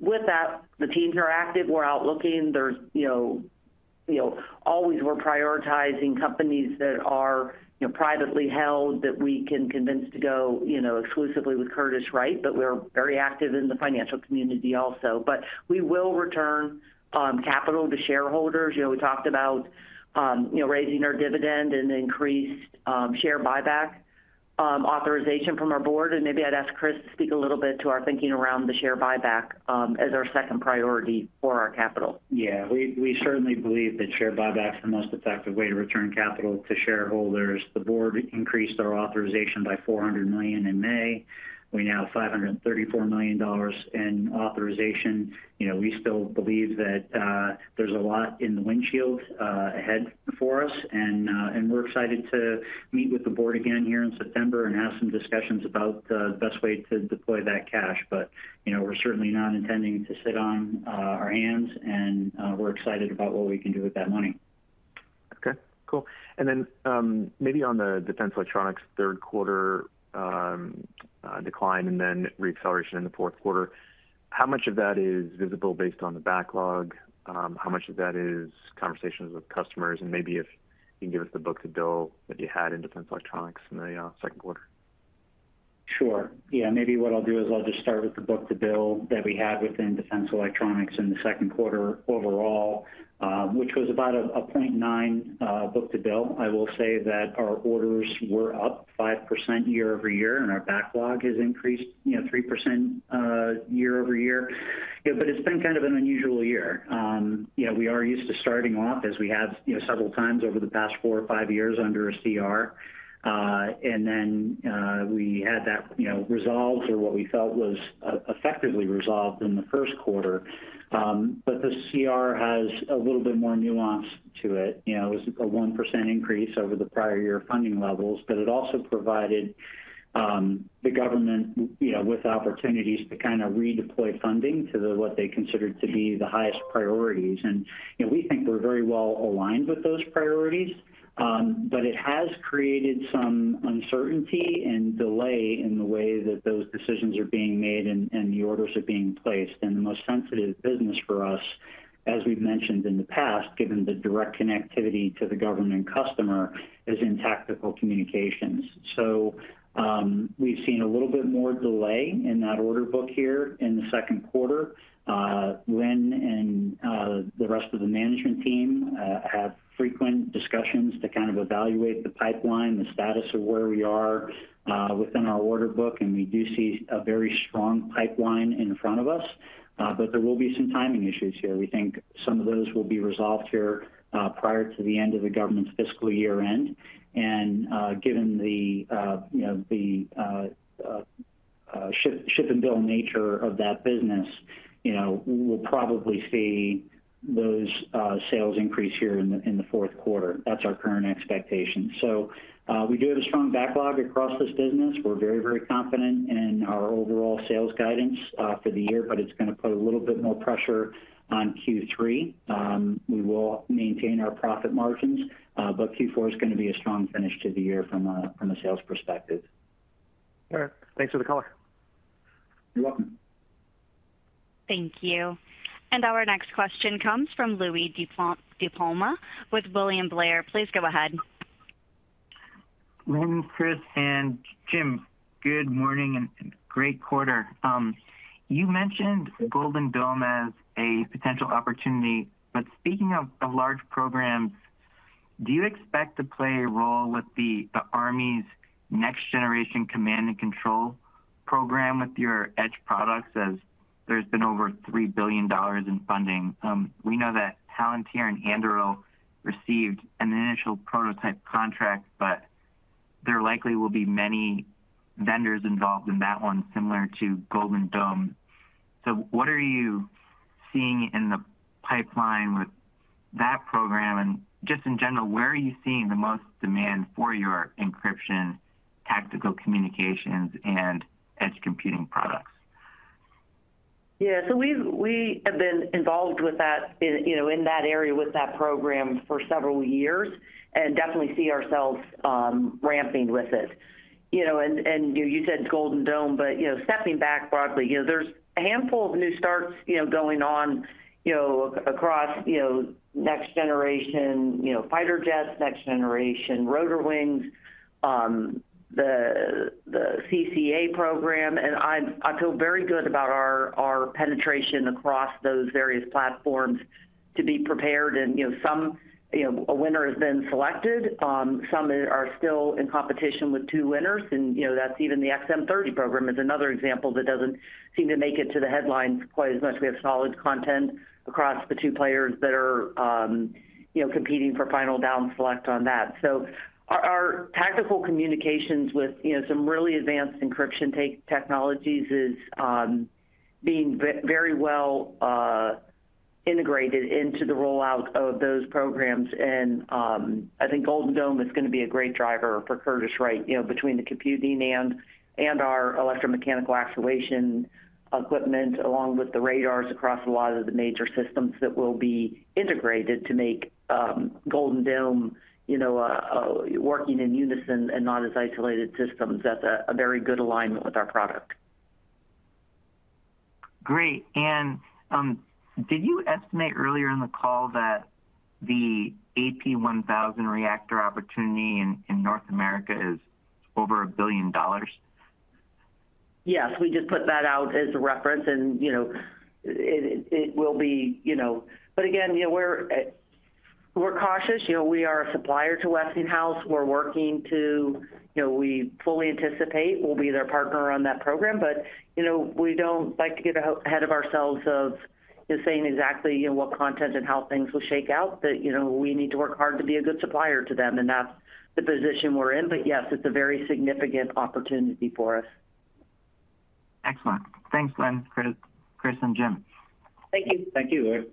With that, the teams are active. We're outlooking. We're always prioritizing companies that are privately held that we can convince to go exclusively with Curtiss-Wright, but we're very active in the financial community also. We will return capital to shareholders. We talked about raising our dividend and increased share buyback authorization from our board. Maybe I'd ask Chris to speak a little bit to our thinking around the share buyback as our second priority for our capital. Yeah, we certainly believe that share buyback is the most effective way to return capital to shareholders. The board increased our authorization by $400 million in May. We now have $534 million in authorization. We still believe that there's a lot in the windshield ahead for us, and we're excited to meet with the board again here in September and have some discussions about the best way to deploy that cash. We're certainly not intending to sit on our hands, and we're excited about what we can do with that money. Okay. Cool. Maybe on the defense electronics third quarter decline and reacceleration in the fourth quarter, how much of that is visible based on the backlog? How much of that is conversations with customers? If you can give us the book to bill that you had in defense electronics in the second quarter. Sure. Maybe what I'll do is I'll just start with the book to bill that we had within defense electronics in the second quarter overall, which was about a 0.9 book to bill. I will say that our orders were up 5% year-over-year, and our backlog has increased 3% year-over-year. It's been kind of an unusual year. We are used to starting off, as we have several times over the past four or five years, under a CR. We had that resolved or what we felt was effectively resolved in the first quarter. The CR has a little bit more nuance to it. It was a 1% increase over the prior year funding levels, but it also provided the government with opportunities to redeploy funding to what they considered to be the highest priorities. We think we're very well aligned with those priorities. It has created some uncertainty and delay in the way that those decisions are being made and the orders are being placed. The most benefit of the business for us, as we've mentioned in the past, given the direct connectivity to the government customer, is in tactical communications. We've seen a little bit more delay in that order book here in the second quarter. Lynn and the rest of the management team have frequent discussions to evaluate the pipeline, the status of where we are within our order book. We do see a very strong pipeline in front of us. There will be some timing issues here. We think some of those will be resolved prior to the end of the government's fiscal year end. Given the ship and bill nature of that business, we'll probably see those sales increase in the fourth quarter. That's our current expectation. We do have a strong backlog across this business. We're very, very confident in our overall sales guidance for the year, but it's going to put a little bit more pressure on Q3. We will maintain our profit margins. Q4 is going to be a strong finish to the year from a sales perspective. All right, thanks for the call. You're welcome. Thank you. Our next question comes from Louie Dupont DiPalma with William Blair. Please go ahead. Lynn, Chris, and Jim, good morning and great quarter. You mentioned Golden Dome as a potential opportunity. Speaking of large programs, do you expect to play a role with the Army's next-generation command and control program with your edge products as there's been over $3 billion in funding? We know that Palantir and Anduril received an initial prototype contract, but there likely will be many vendors involved in that one, similar to Golden Dome. What are you seeing in the pipeline with that program? In general, where are you seeing the most demand for your encryption, tactical communications, and edge computing products? Yeah. We have been involved with that in that area with that program for several years and definitely see ourselves ramping with it. You said Golden Dome, but stepping back broadly, there's a handful of new starts going on across next-generation fighter jets, next-generation rotor wings, the CCA program. I feel very good about our penetration across those various platforms to be prepared. Some, a winner has been selected. Some are still in competition with two winners. That's even the XM30 program, another example that doesn't seem to make it to the headlines quite as much. We have solid content across the two players that are competing for final down select on that. Our tactical communications with some really advanced encryption technologies is being very well integrated into the rollout of those programs. I think Golden Dome is going to be a great driver for Curtiss-Wright, between the computing and our electromechanical actuation equipment, along with the radars across a lot of the major systems that will be integrated to make Golden Dome working in unison and not as isolated systems. That's a very good alignment with our product. Did you estimate earlier in the call that the AP1000 reactor opportunity in North America is over $1 billion? Yes, we just put that out as a reference, and it will be, but again, we're cautious. We are a supplier to Westinghouse Electric Company. We're working to, we fully anticipate we'll be their partner on that program. We don't like to get ahead of ourselves of saying exactly what content and how things will shake out, but we need to work hard to be a good supplier to them. That's the position we're in. Yes, it's a very significant opportunity for us. Excellent. Thanks, Lynn, Chris, and Jim. Thank you. Thank you, Lynn.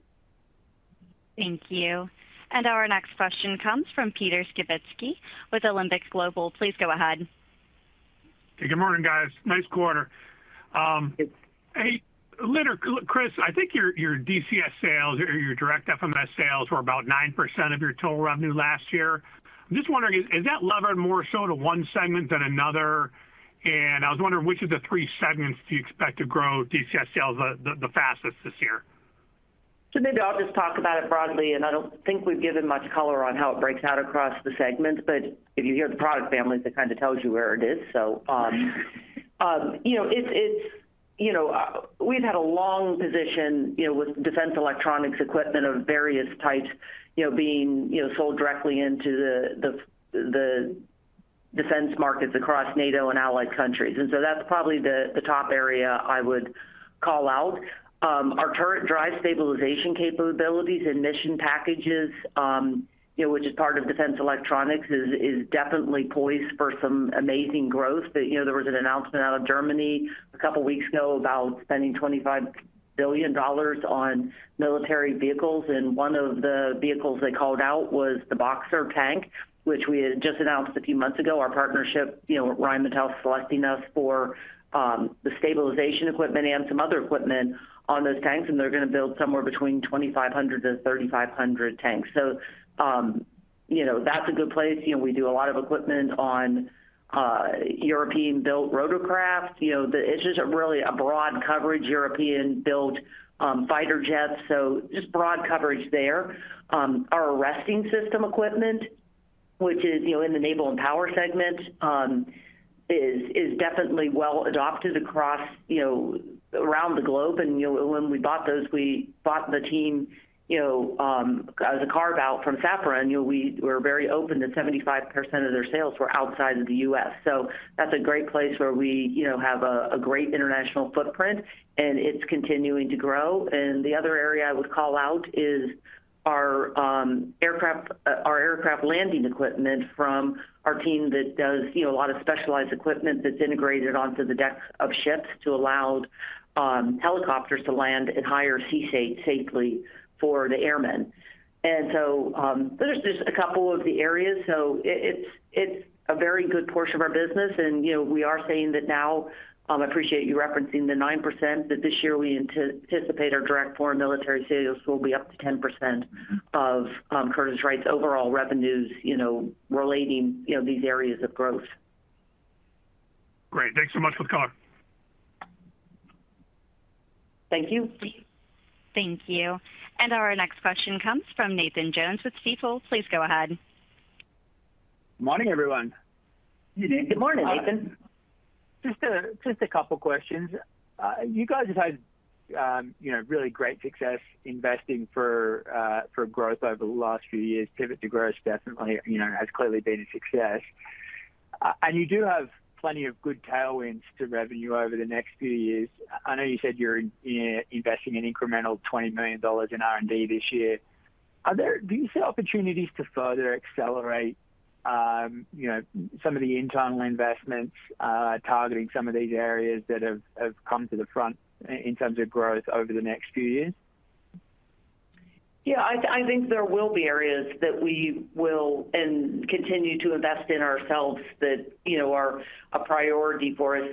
Thank you. Our next question comes from Peter Skibitski with Alembic Global. Please go ahead. Hey, good morning, guys. Nice quarter. Hey, Chris, I think your DCS sales or your direct FMS sales were about 9% of your total revenue last year. I'm just wondering, is that levered more so to one segment than another? I was wondering, which of the three segments do you expect to grow DCS sales the fastest this year? Maybe I'll just talk about it broadly. I don't think we've given much color on how it breaks out across the segments, but if you hear the product families, it kind of tells you where it is. We've had a long position with defense electronics equipment of various types being sold directly into the defense markets across NATO and allied countries. That's probably the top area I would call out. Our current drive stabilization capabilities and mission packages, which is part of defense electronics, is definitely poised for some amazing growth. There was an announcement out of Germany a couple of weeks ago about spending $25 billion on military vehicles. One of the vehicles they called out was the Boxer armored fighting vehicle platform, which we had just announced a few months ago, our partnership with Rheinmetall selecting us for the stabilization equipment and some other equipment on those vehicles. They're going to build somewhere between 2,500-3,500 vehicles. That's a good place. We do a lot of equipment on European-built rotorcraft. It's just really a broad coverage, European-built fighter jets, so just broad coverage there. Our aircraft arresting systems equipment, which is in the naval and power segment, is definitely well adopted around the globe. When we bought those, we bought the team as a carve-out from Safran. We were very open that 75% of their sales were outside of the U.S. That's a great place where we have a great international footprint, and it's continuing to grow. The other area I would call out is our aircraft landing equipment from our team that does a lot of specialized equipment that's integrated onto the deck of ships to allow helicopters to land in higher sea safely for the airmen. There's a couple of the areas. It's a very good portion of our business. We are saying that now, I appreciate you referencing the 9%, that this year we anticipate our direct foreign military sales will be up to 10% of Curtiss-Wright Corporation's overall revenues, relating to these areas of growth. Great. Thanks so much for the call. Thank you. Thank you. Our next question comes from Nathan Jones with Stifel. Please go ahead. Morning, everyone. Good morning, Nathan. Just a couple of questions. You guys have had really great success investing for growth over the last few years. Pivot to growth definitely has clearly been a success. You do have plenty of good tailwinds to revenue over the next few years. I know you said you're investing an incremental $20 million in R&D this year. Do you see opportunities to further accelerate some of the internal investments targeting some of these areas that have come to the front in terms of growth over the next few years? Yeah, I think there will be areas that we will continue to invest in ourselves that are a priority for us.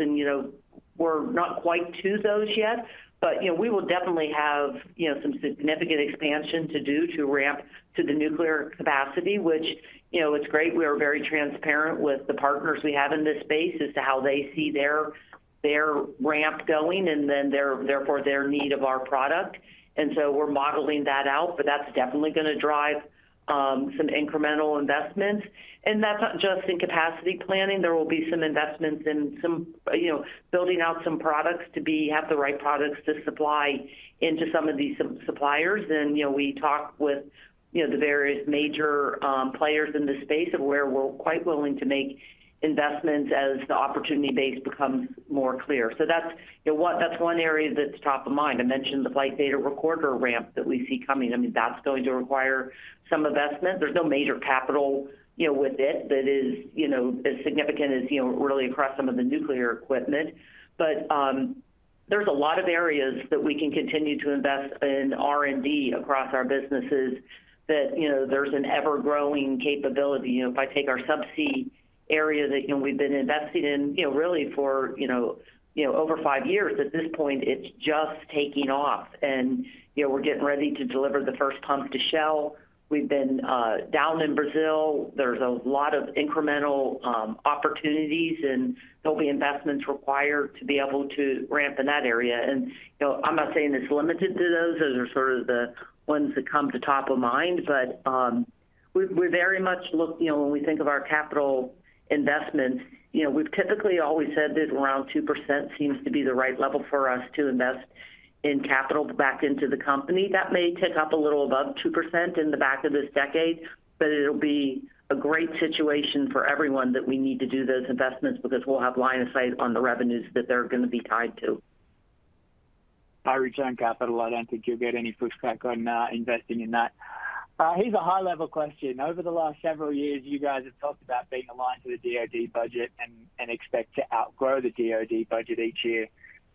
We're not quite to those yet, but we will definitely have some significant expansion to do to ramp to the nuclear capacity, which is great. We are very transparent with the partners we have in this space as to how they see their ramp going and therefore their need of our product. We're modeling that out, but that's definitely going to drive some incremental investments. That's not just in capacity planning. There will be some investments in building out some products to have the right products to supply into some of these suppliers. We talk with the various major players in this space where we're quite willing to make investments as the opportunity base becomes more clear. That's one area that's top of mind. I mentioned the flight data recorder ramp that we see coming. That's going to require some investment. There's no major capital with it that is as significant as really across some of the nuclear equipment, but there's a lot of areas that we can continue to invest in R&D across our businesses. There's an ever-growing capability. If I take our subsea area that we've been investing in really for over five years, at this point, it's just taking off. We're getting ready to deliver the first pump to Shell. We've been down in Brazil. There's a lot of incremental opportunities and there'll be investments required to be able to ramp in that area. I'm not saying it's limited to those. Those are sort of the ones that come to top of mind. We are very much looking, you know, when we think of our capital investments, you know, we've typically always said that around 2% seems to be the right level for us to invest in capital back into the company. That may tick up a little above 2% in the back of this decade, but it'll be a great situation for everyone that we need to do those investments because we'll have line of sight on the revenues that they're going to be tied to. I reach on capital. I don't think you'll get any pushback on that, investing in that. Here's a high-level question. Over the last several years, you guys have talked about being aligned to the U.S. Department of Defense budget and expect to outgrow the U.S. Department of Defense budget each year.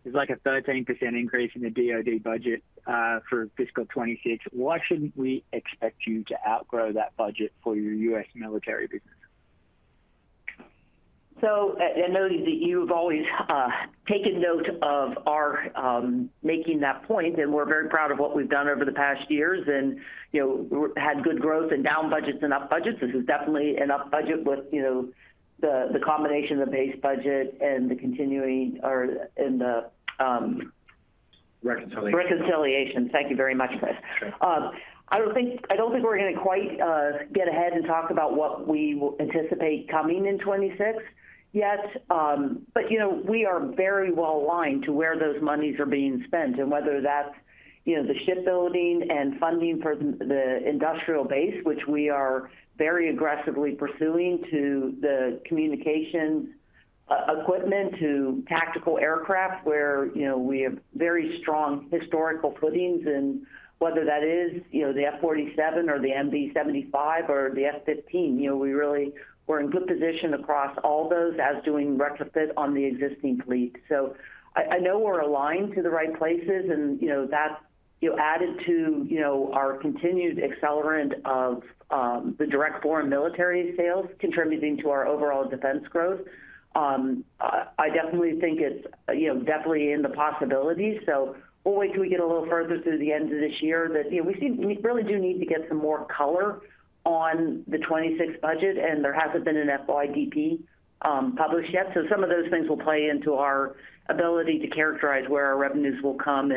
There's like a 13% increase in the U.S. Department of Defense budget for fiscal 2026. Why shouldn't we expect you to outgrow that budget for your U.S. military business? I know that you've always taken note of our making that point, and we're very proud of what we've done over the past years and had good growth in down budgets and up budgets. This is definitely an up budget with the combination of the base budget and the continuing or in the reconciliation. Thank you very much, Chris. I don't think we're going to quite get ahead and talk about what we anticipate coming in 2026 yet. We are very well aligned to where those monies are being spent and whether that's the shipbuilding and funding for the industrial base, which we are very aggressively pursuing, to the communication equipment, to tactical aircraft where we have very strong historical footings. Whether that is the F-47 or the MB-75 or the F-15, we really are in good position across all those as doing retrofit on the existing fleet. I know we're aligned to the right places, and that's added to our continued accelerant of the direct foreign military sales contributing to our overall defense growth. I definitely think it's in the possibilities. We'll wait till we get a little further through the end of this year that we see we really do need to get some more color on the 2026 budget, and there hasn't been an FYDP published yet. Some of those things will play into our ability to characterize where our revenues will come.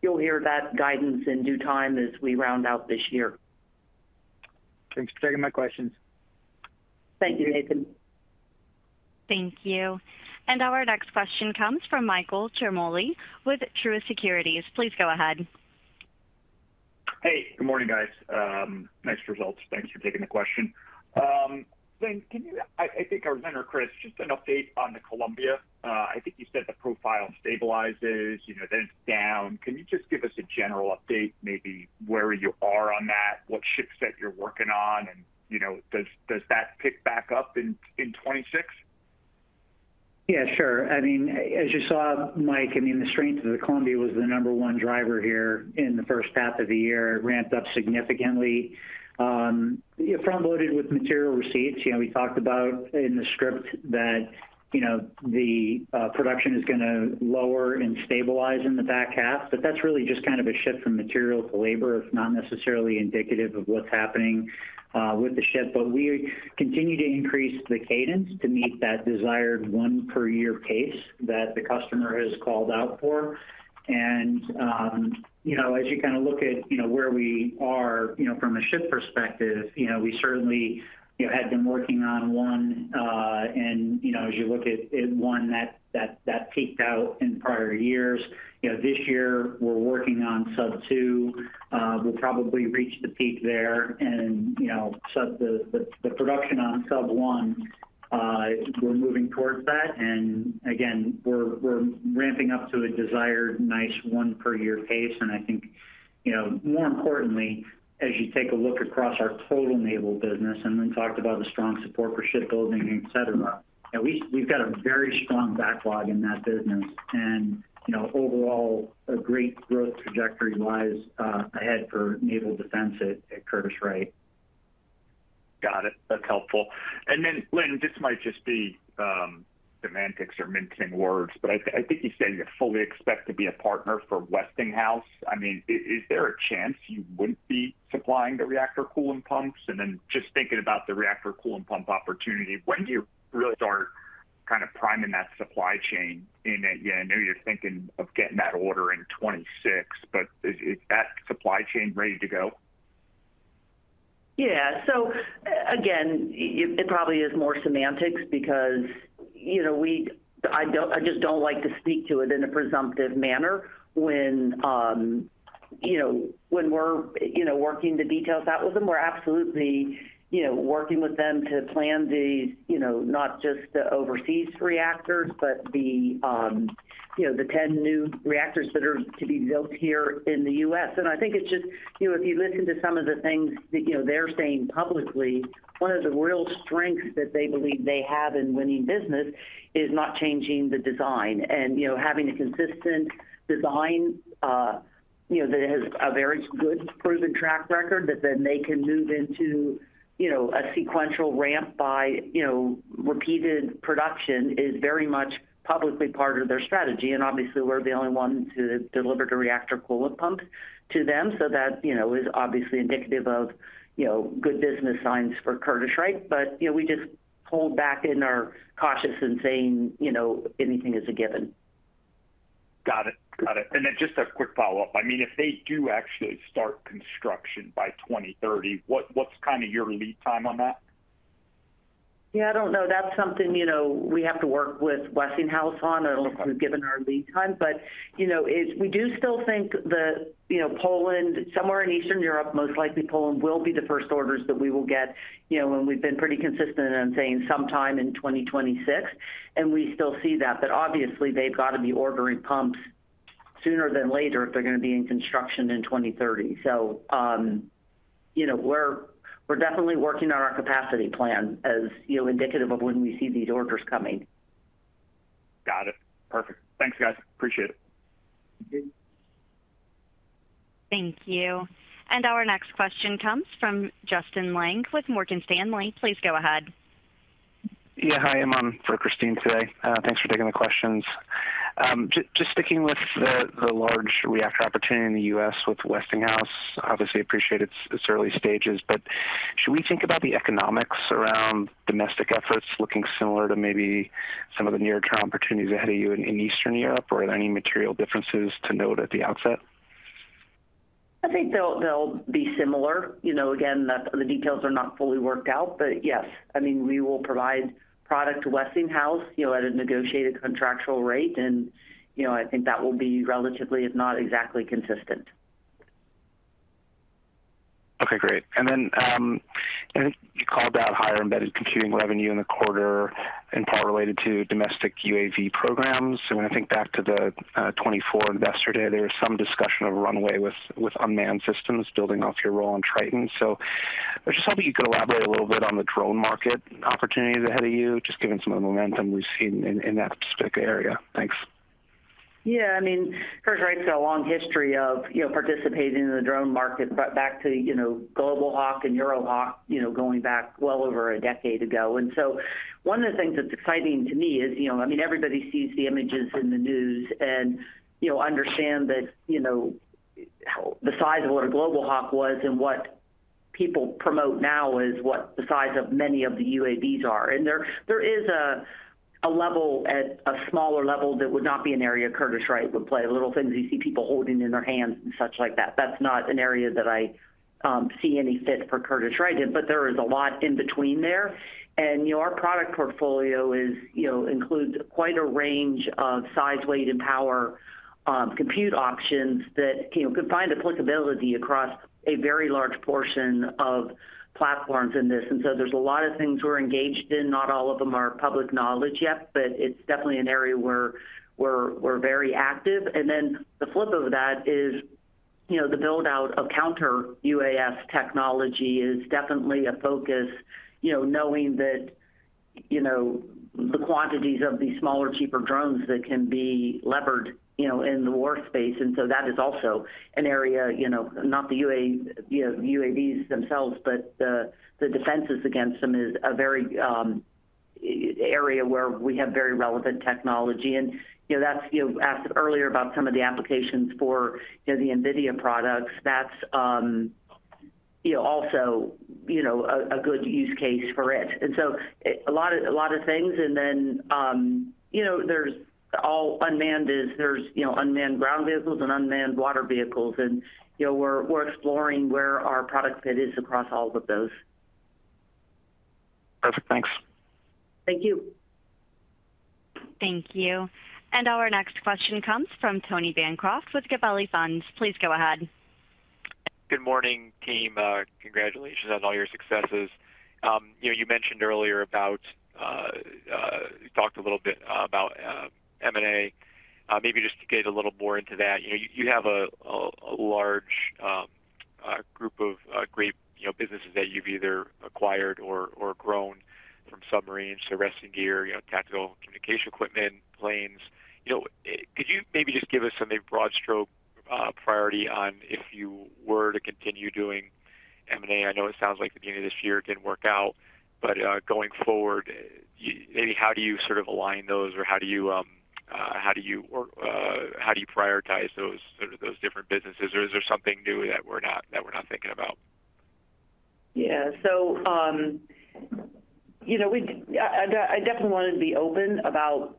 You'll hear that guidance in due time as we round out this year. Thanks for taking my questions. Thank you, Nathan. Thank you. Our next question comes from Michael Ciarmoli with Truist Securities. Please go ahead. Hey, good morning, guys. Nice results. Thanks for taking the question. Lynn, can you, I think our vendor, Chris, just an update on the Columbia-class submarine? I think you said the profile stabilizes, you know, then it's down. Can you just give us a general update, maybe where you are on that, what ship set you're working on, and, you know, does that pick back up in 2026? Yeah, sure. I mean, as you saw, Mike, the strength of the Columbia-class submarine was the number one driver here in the first half of the year. It ramped up significantly. It front-loaded with material receipts. We talked about in the script that the production is going to lower and stabilize in the back half, but that's really just kind of a shift from material to labor. It's not necessarily indicative of what's happening with the ship. We continue to increase the cadence to meet that desired one per year case that the customer has called out for. As you kind of look at where we are from a ship perspective, we certainly had been working on one. As you look at one, that peaked out in prior years. This year we're working on sub two. We'll probably reach the peak there and sub the production on sub one. We're moving towards that. Again, we're ramping up to a desired nice one per year pace. I think, more importantly, as you take a look across our total naval business, and we talked about a strong support for shipbuilding, etc., we've got a very strong backlog in that business. Overall, a great growth trajectory lies ahead for naval defense at Curtiss-Wright Corporation. Got it. That's helpful. Lynn, this might just be semantics or mincing words, but I think you said you fully expect to be a partner for Westinghouse. Is there a chance you wouldn't be supplying the reactor coolant pumps? Thinking about the reactor coolant pump opportunity, when do you really start kind of priming that supply chain? I know you're thinking of getting that order in 2026, but is that supply chain ready to go? Yeah. It probably is more semantics because I just don't like to speak to it in a presumptive manner when we're working the details out with them. We're absolutely working with them to plan these, not just the overseas reactors, but the 10 new reactors that are to be built here in the U.S. I think if you listen to some of the things that they're saying publicly, one of the real strengths that they believe they have in winning business is not changing the design. Having a consistent design that has a very good proven track record that they can move into a sequential ramp by repeated production is very much publicly part of their strategy. Obviously, we're the only one to deliver the reactor coolant pumps to them. That is obviously indicative of good business signs for Curtiss-Wright. We just hold back and are cautious in saying anything is a given. Got it. Got it. Just a quick follow-up. I mean, if they do actually start construction by 2030, what's kind of your lead time on that? Yeah, I don't know. That's something we have to work with Westinghouse Electric Company on. We've given our lead time. We do still think that Poland, somewhere in Eastern Europe, most likely Poland, will be the first orders that we will get. We've been pretty consistent in saying sometime in 2026, and we still see that. Obviously, they've got to be ordering pumps sooner than later if they're going to be in construction in 2030. We're definitely working on our capacity plan as indicative of when we see these orders coming. Got it. Perfect. Thanks, guys. Appreciate it. Thank you. Our next question comes from Justin Lang with Morgan Stanley. Please go ahead. Yeah, hi. I'm on for Christine today. Thanks for taking the questions. Just sticking with the large reactor opportunity in the U.S. with Westinghouse, obviously appreciate it's early stages, but should we think about the economics around domestic efforts looking similar to maybe some of the near-term opportunities ahead of you in Eastern Europe, or are there any material differences to note at the outset? I think they'll be similar. Again, the details are not fully worked out, but yes, I mean, we will provide product to Westinghouse Electric Company at a negotiated contractual rate. I think that will be relatively, if not exactly, consistent. Okay, great. You called out higher embedded computing revenue in the quarter in part related to domestic UAV programs. I think back to the 2024 investor day, there's some discussion of runway with unmanned systems building off your role on Triton. I was just hoping you could elaborate a little bit on the drone market opportunity ahead of you, just given some of the momentum we've seen in that specific area. Thanks. Yeah, I mean, Curtiss-Wright Corporation's got a long history of participating in the drone market back to Global Hawk and EuroHawk, going back well over a decade ago. One of the things that's exciting to me is, I mean, everybody sees the images in the news and understand that the size of what a Global Hawk was and what people promote now is what the size of many of the UAVs are. There is a level at a smaller level that would not be an area Curtiss-Wright Corporation would play, little things you see people holding in their hands and such like that. That's not an area that I see any fit for Curtiss-Wright Corporation in, but there is a lot in between there. Our product portfolio includes quite a range of size, weight, and power compute options that can find applicability across a very large portion of platforms in this. There are a lot of things we're engaged in. Not all of them are public knowledge yet, but it's definitely an area where we're very active. The flip of that is the build-out of counter UAS technology is definitely a focus, knowing that the quantities of these smaller, cheaper drones that can be levered in the war space. That is also an area, not the UAVs themselves, but the defenses against them is a very area where we have very relevant technology. That's, you know, asked earlier about some of the applications for the NVIDIA products. That's also a good use case for it. A lot of things. All unmanned is there's unmanned ground vehicles and unmanned water vehicles. We're exploring where our product fit is across all of those. Perfect. Thanks. Thank you. Thank you. Our next question comes from Tony Bancroft with Gabelli Funds. Please go ahead. Good morning, team. Congratulations on all your successes. You mentioned earlier about, you talked a little bit about M&A. Maybe just to get a little more into that, you have a large group of great businesses that you've either acquired or grown from submarines to arresting gear, tactical communication equipment, planes. Could you maybe just give us a broad stroke priority on if you were to continue doing M&A? I know it sounds like the beginning of this year didn't work out, but going forward, how do you sort of align those or how do you prioritize those different businesses? Is there something new that we're not thinking about? Yeah. I definitely wanted to be open about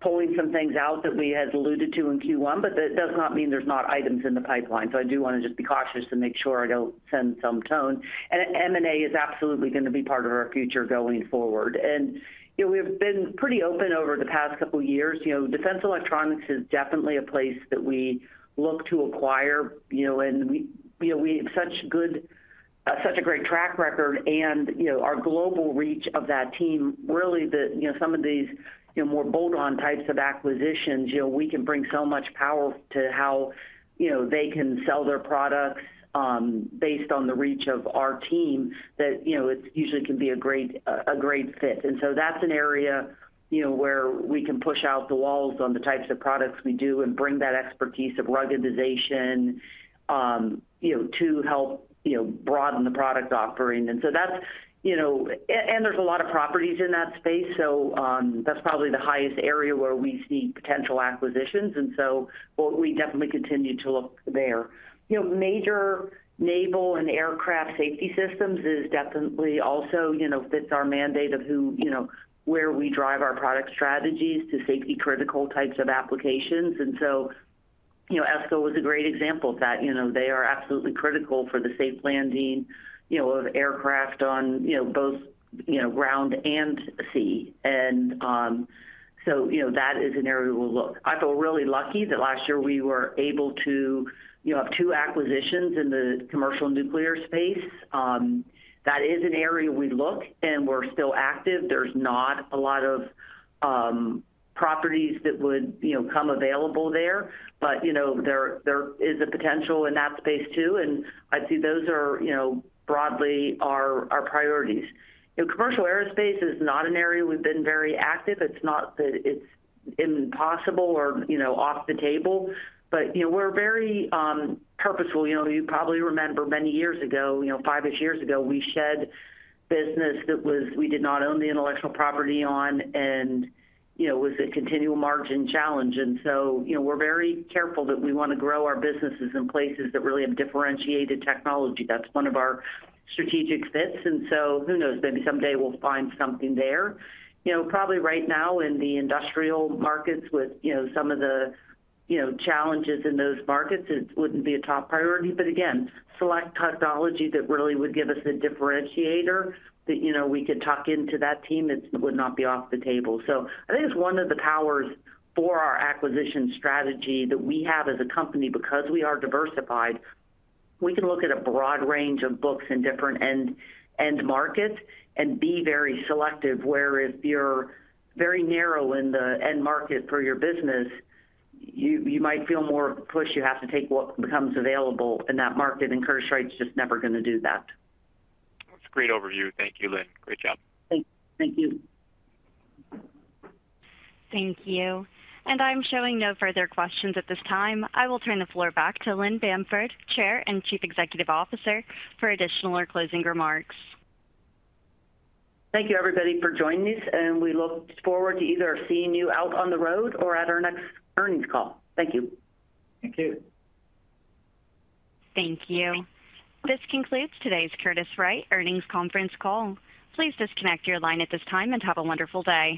pulling some things out that we had alluded to in Q1, but that does not mean there's not items in the pipeline. I do want to just be cautious to make sure I don't send some tone. M&A is absolutely going to be part of our future going forward. We have been pretty open over the past couple of years. Defense electronics is definitely a place that we look to acquire. We have such a great track record and our global reach of that team really that some of these more bolt-on types of acquisitions, we can bring so much power to how they can sell their products based on the reach of our team that it usually can be a great fit. That's an area where we can push out the walls on the types of products we do and bring that expertise of ruggedization to help broaden the product offering. There's a lot of properties in that space. That's probably the highest area where we see potential acquisitions. We definitely continue to look there. Major naval and aircraft safety systems definitely also fit our mandate of where we drive our product strategies to safety-critical types of applications. ESCO is a great example of that. They are absolutely critical for the safe landing of aircraft on both ground and sea. That is an area we'll look. I feel really lucky that last year we were able to have two acquisitions in the commercial nuclear space. That is an area we look and we're still active. There's not a lot of properties that would come available there. There is a potential in that space too. I'd say those are broadly our priorities. Commercial aerospace, it's not an area we've been very active. It's not that it's impossible or, you know, off the table. We're very purposeful. You probably remember many years ago, five-ish years ago, we shed business that we did not own the intellectual property on and was the continual margin challenge. We're very careful that we want to grow our businesses in places that really have differentiated technology. That's one of our strategic fits. Who knows, maybe someday we'll find something there. Probably right now in the industrial markets with some of the challenges in those markets, it wouldn't be a top priority. Again, select technology that really would give us a differentiator that we could tuck into that team, it would not be off the table. I think it's one of the powers for our acquisition strategy that we have as a company because we are diversified. We can look at a broad range of books in different end markets and be very selective. Where if you're very narrow in the end market for your business, you might feel more push. You have to take what becomes available in that market. Curtiss-Wright Corporation is just never going to do that. That's a great overview. Thank you, Lynn. Great job. Thank you. Thank you. I'm showing no further questions at this time. I will turn the floor back to Lynn Bamford, Chair and Chief Executive Officer, for additional or closing remarks. Thank you, everybody, for joining us. We look forward to either seeing you out on the road or at our next earnings call. Thank you. Thank you. Thank you. This concludes today's Curtiss-Wright Earnings Conference call. Please disconnect your line at this time and have a wonderful day.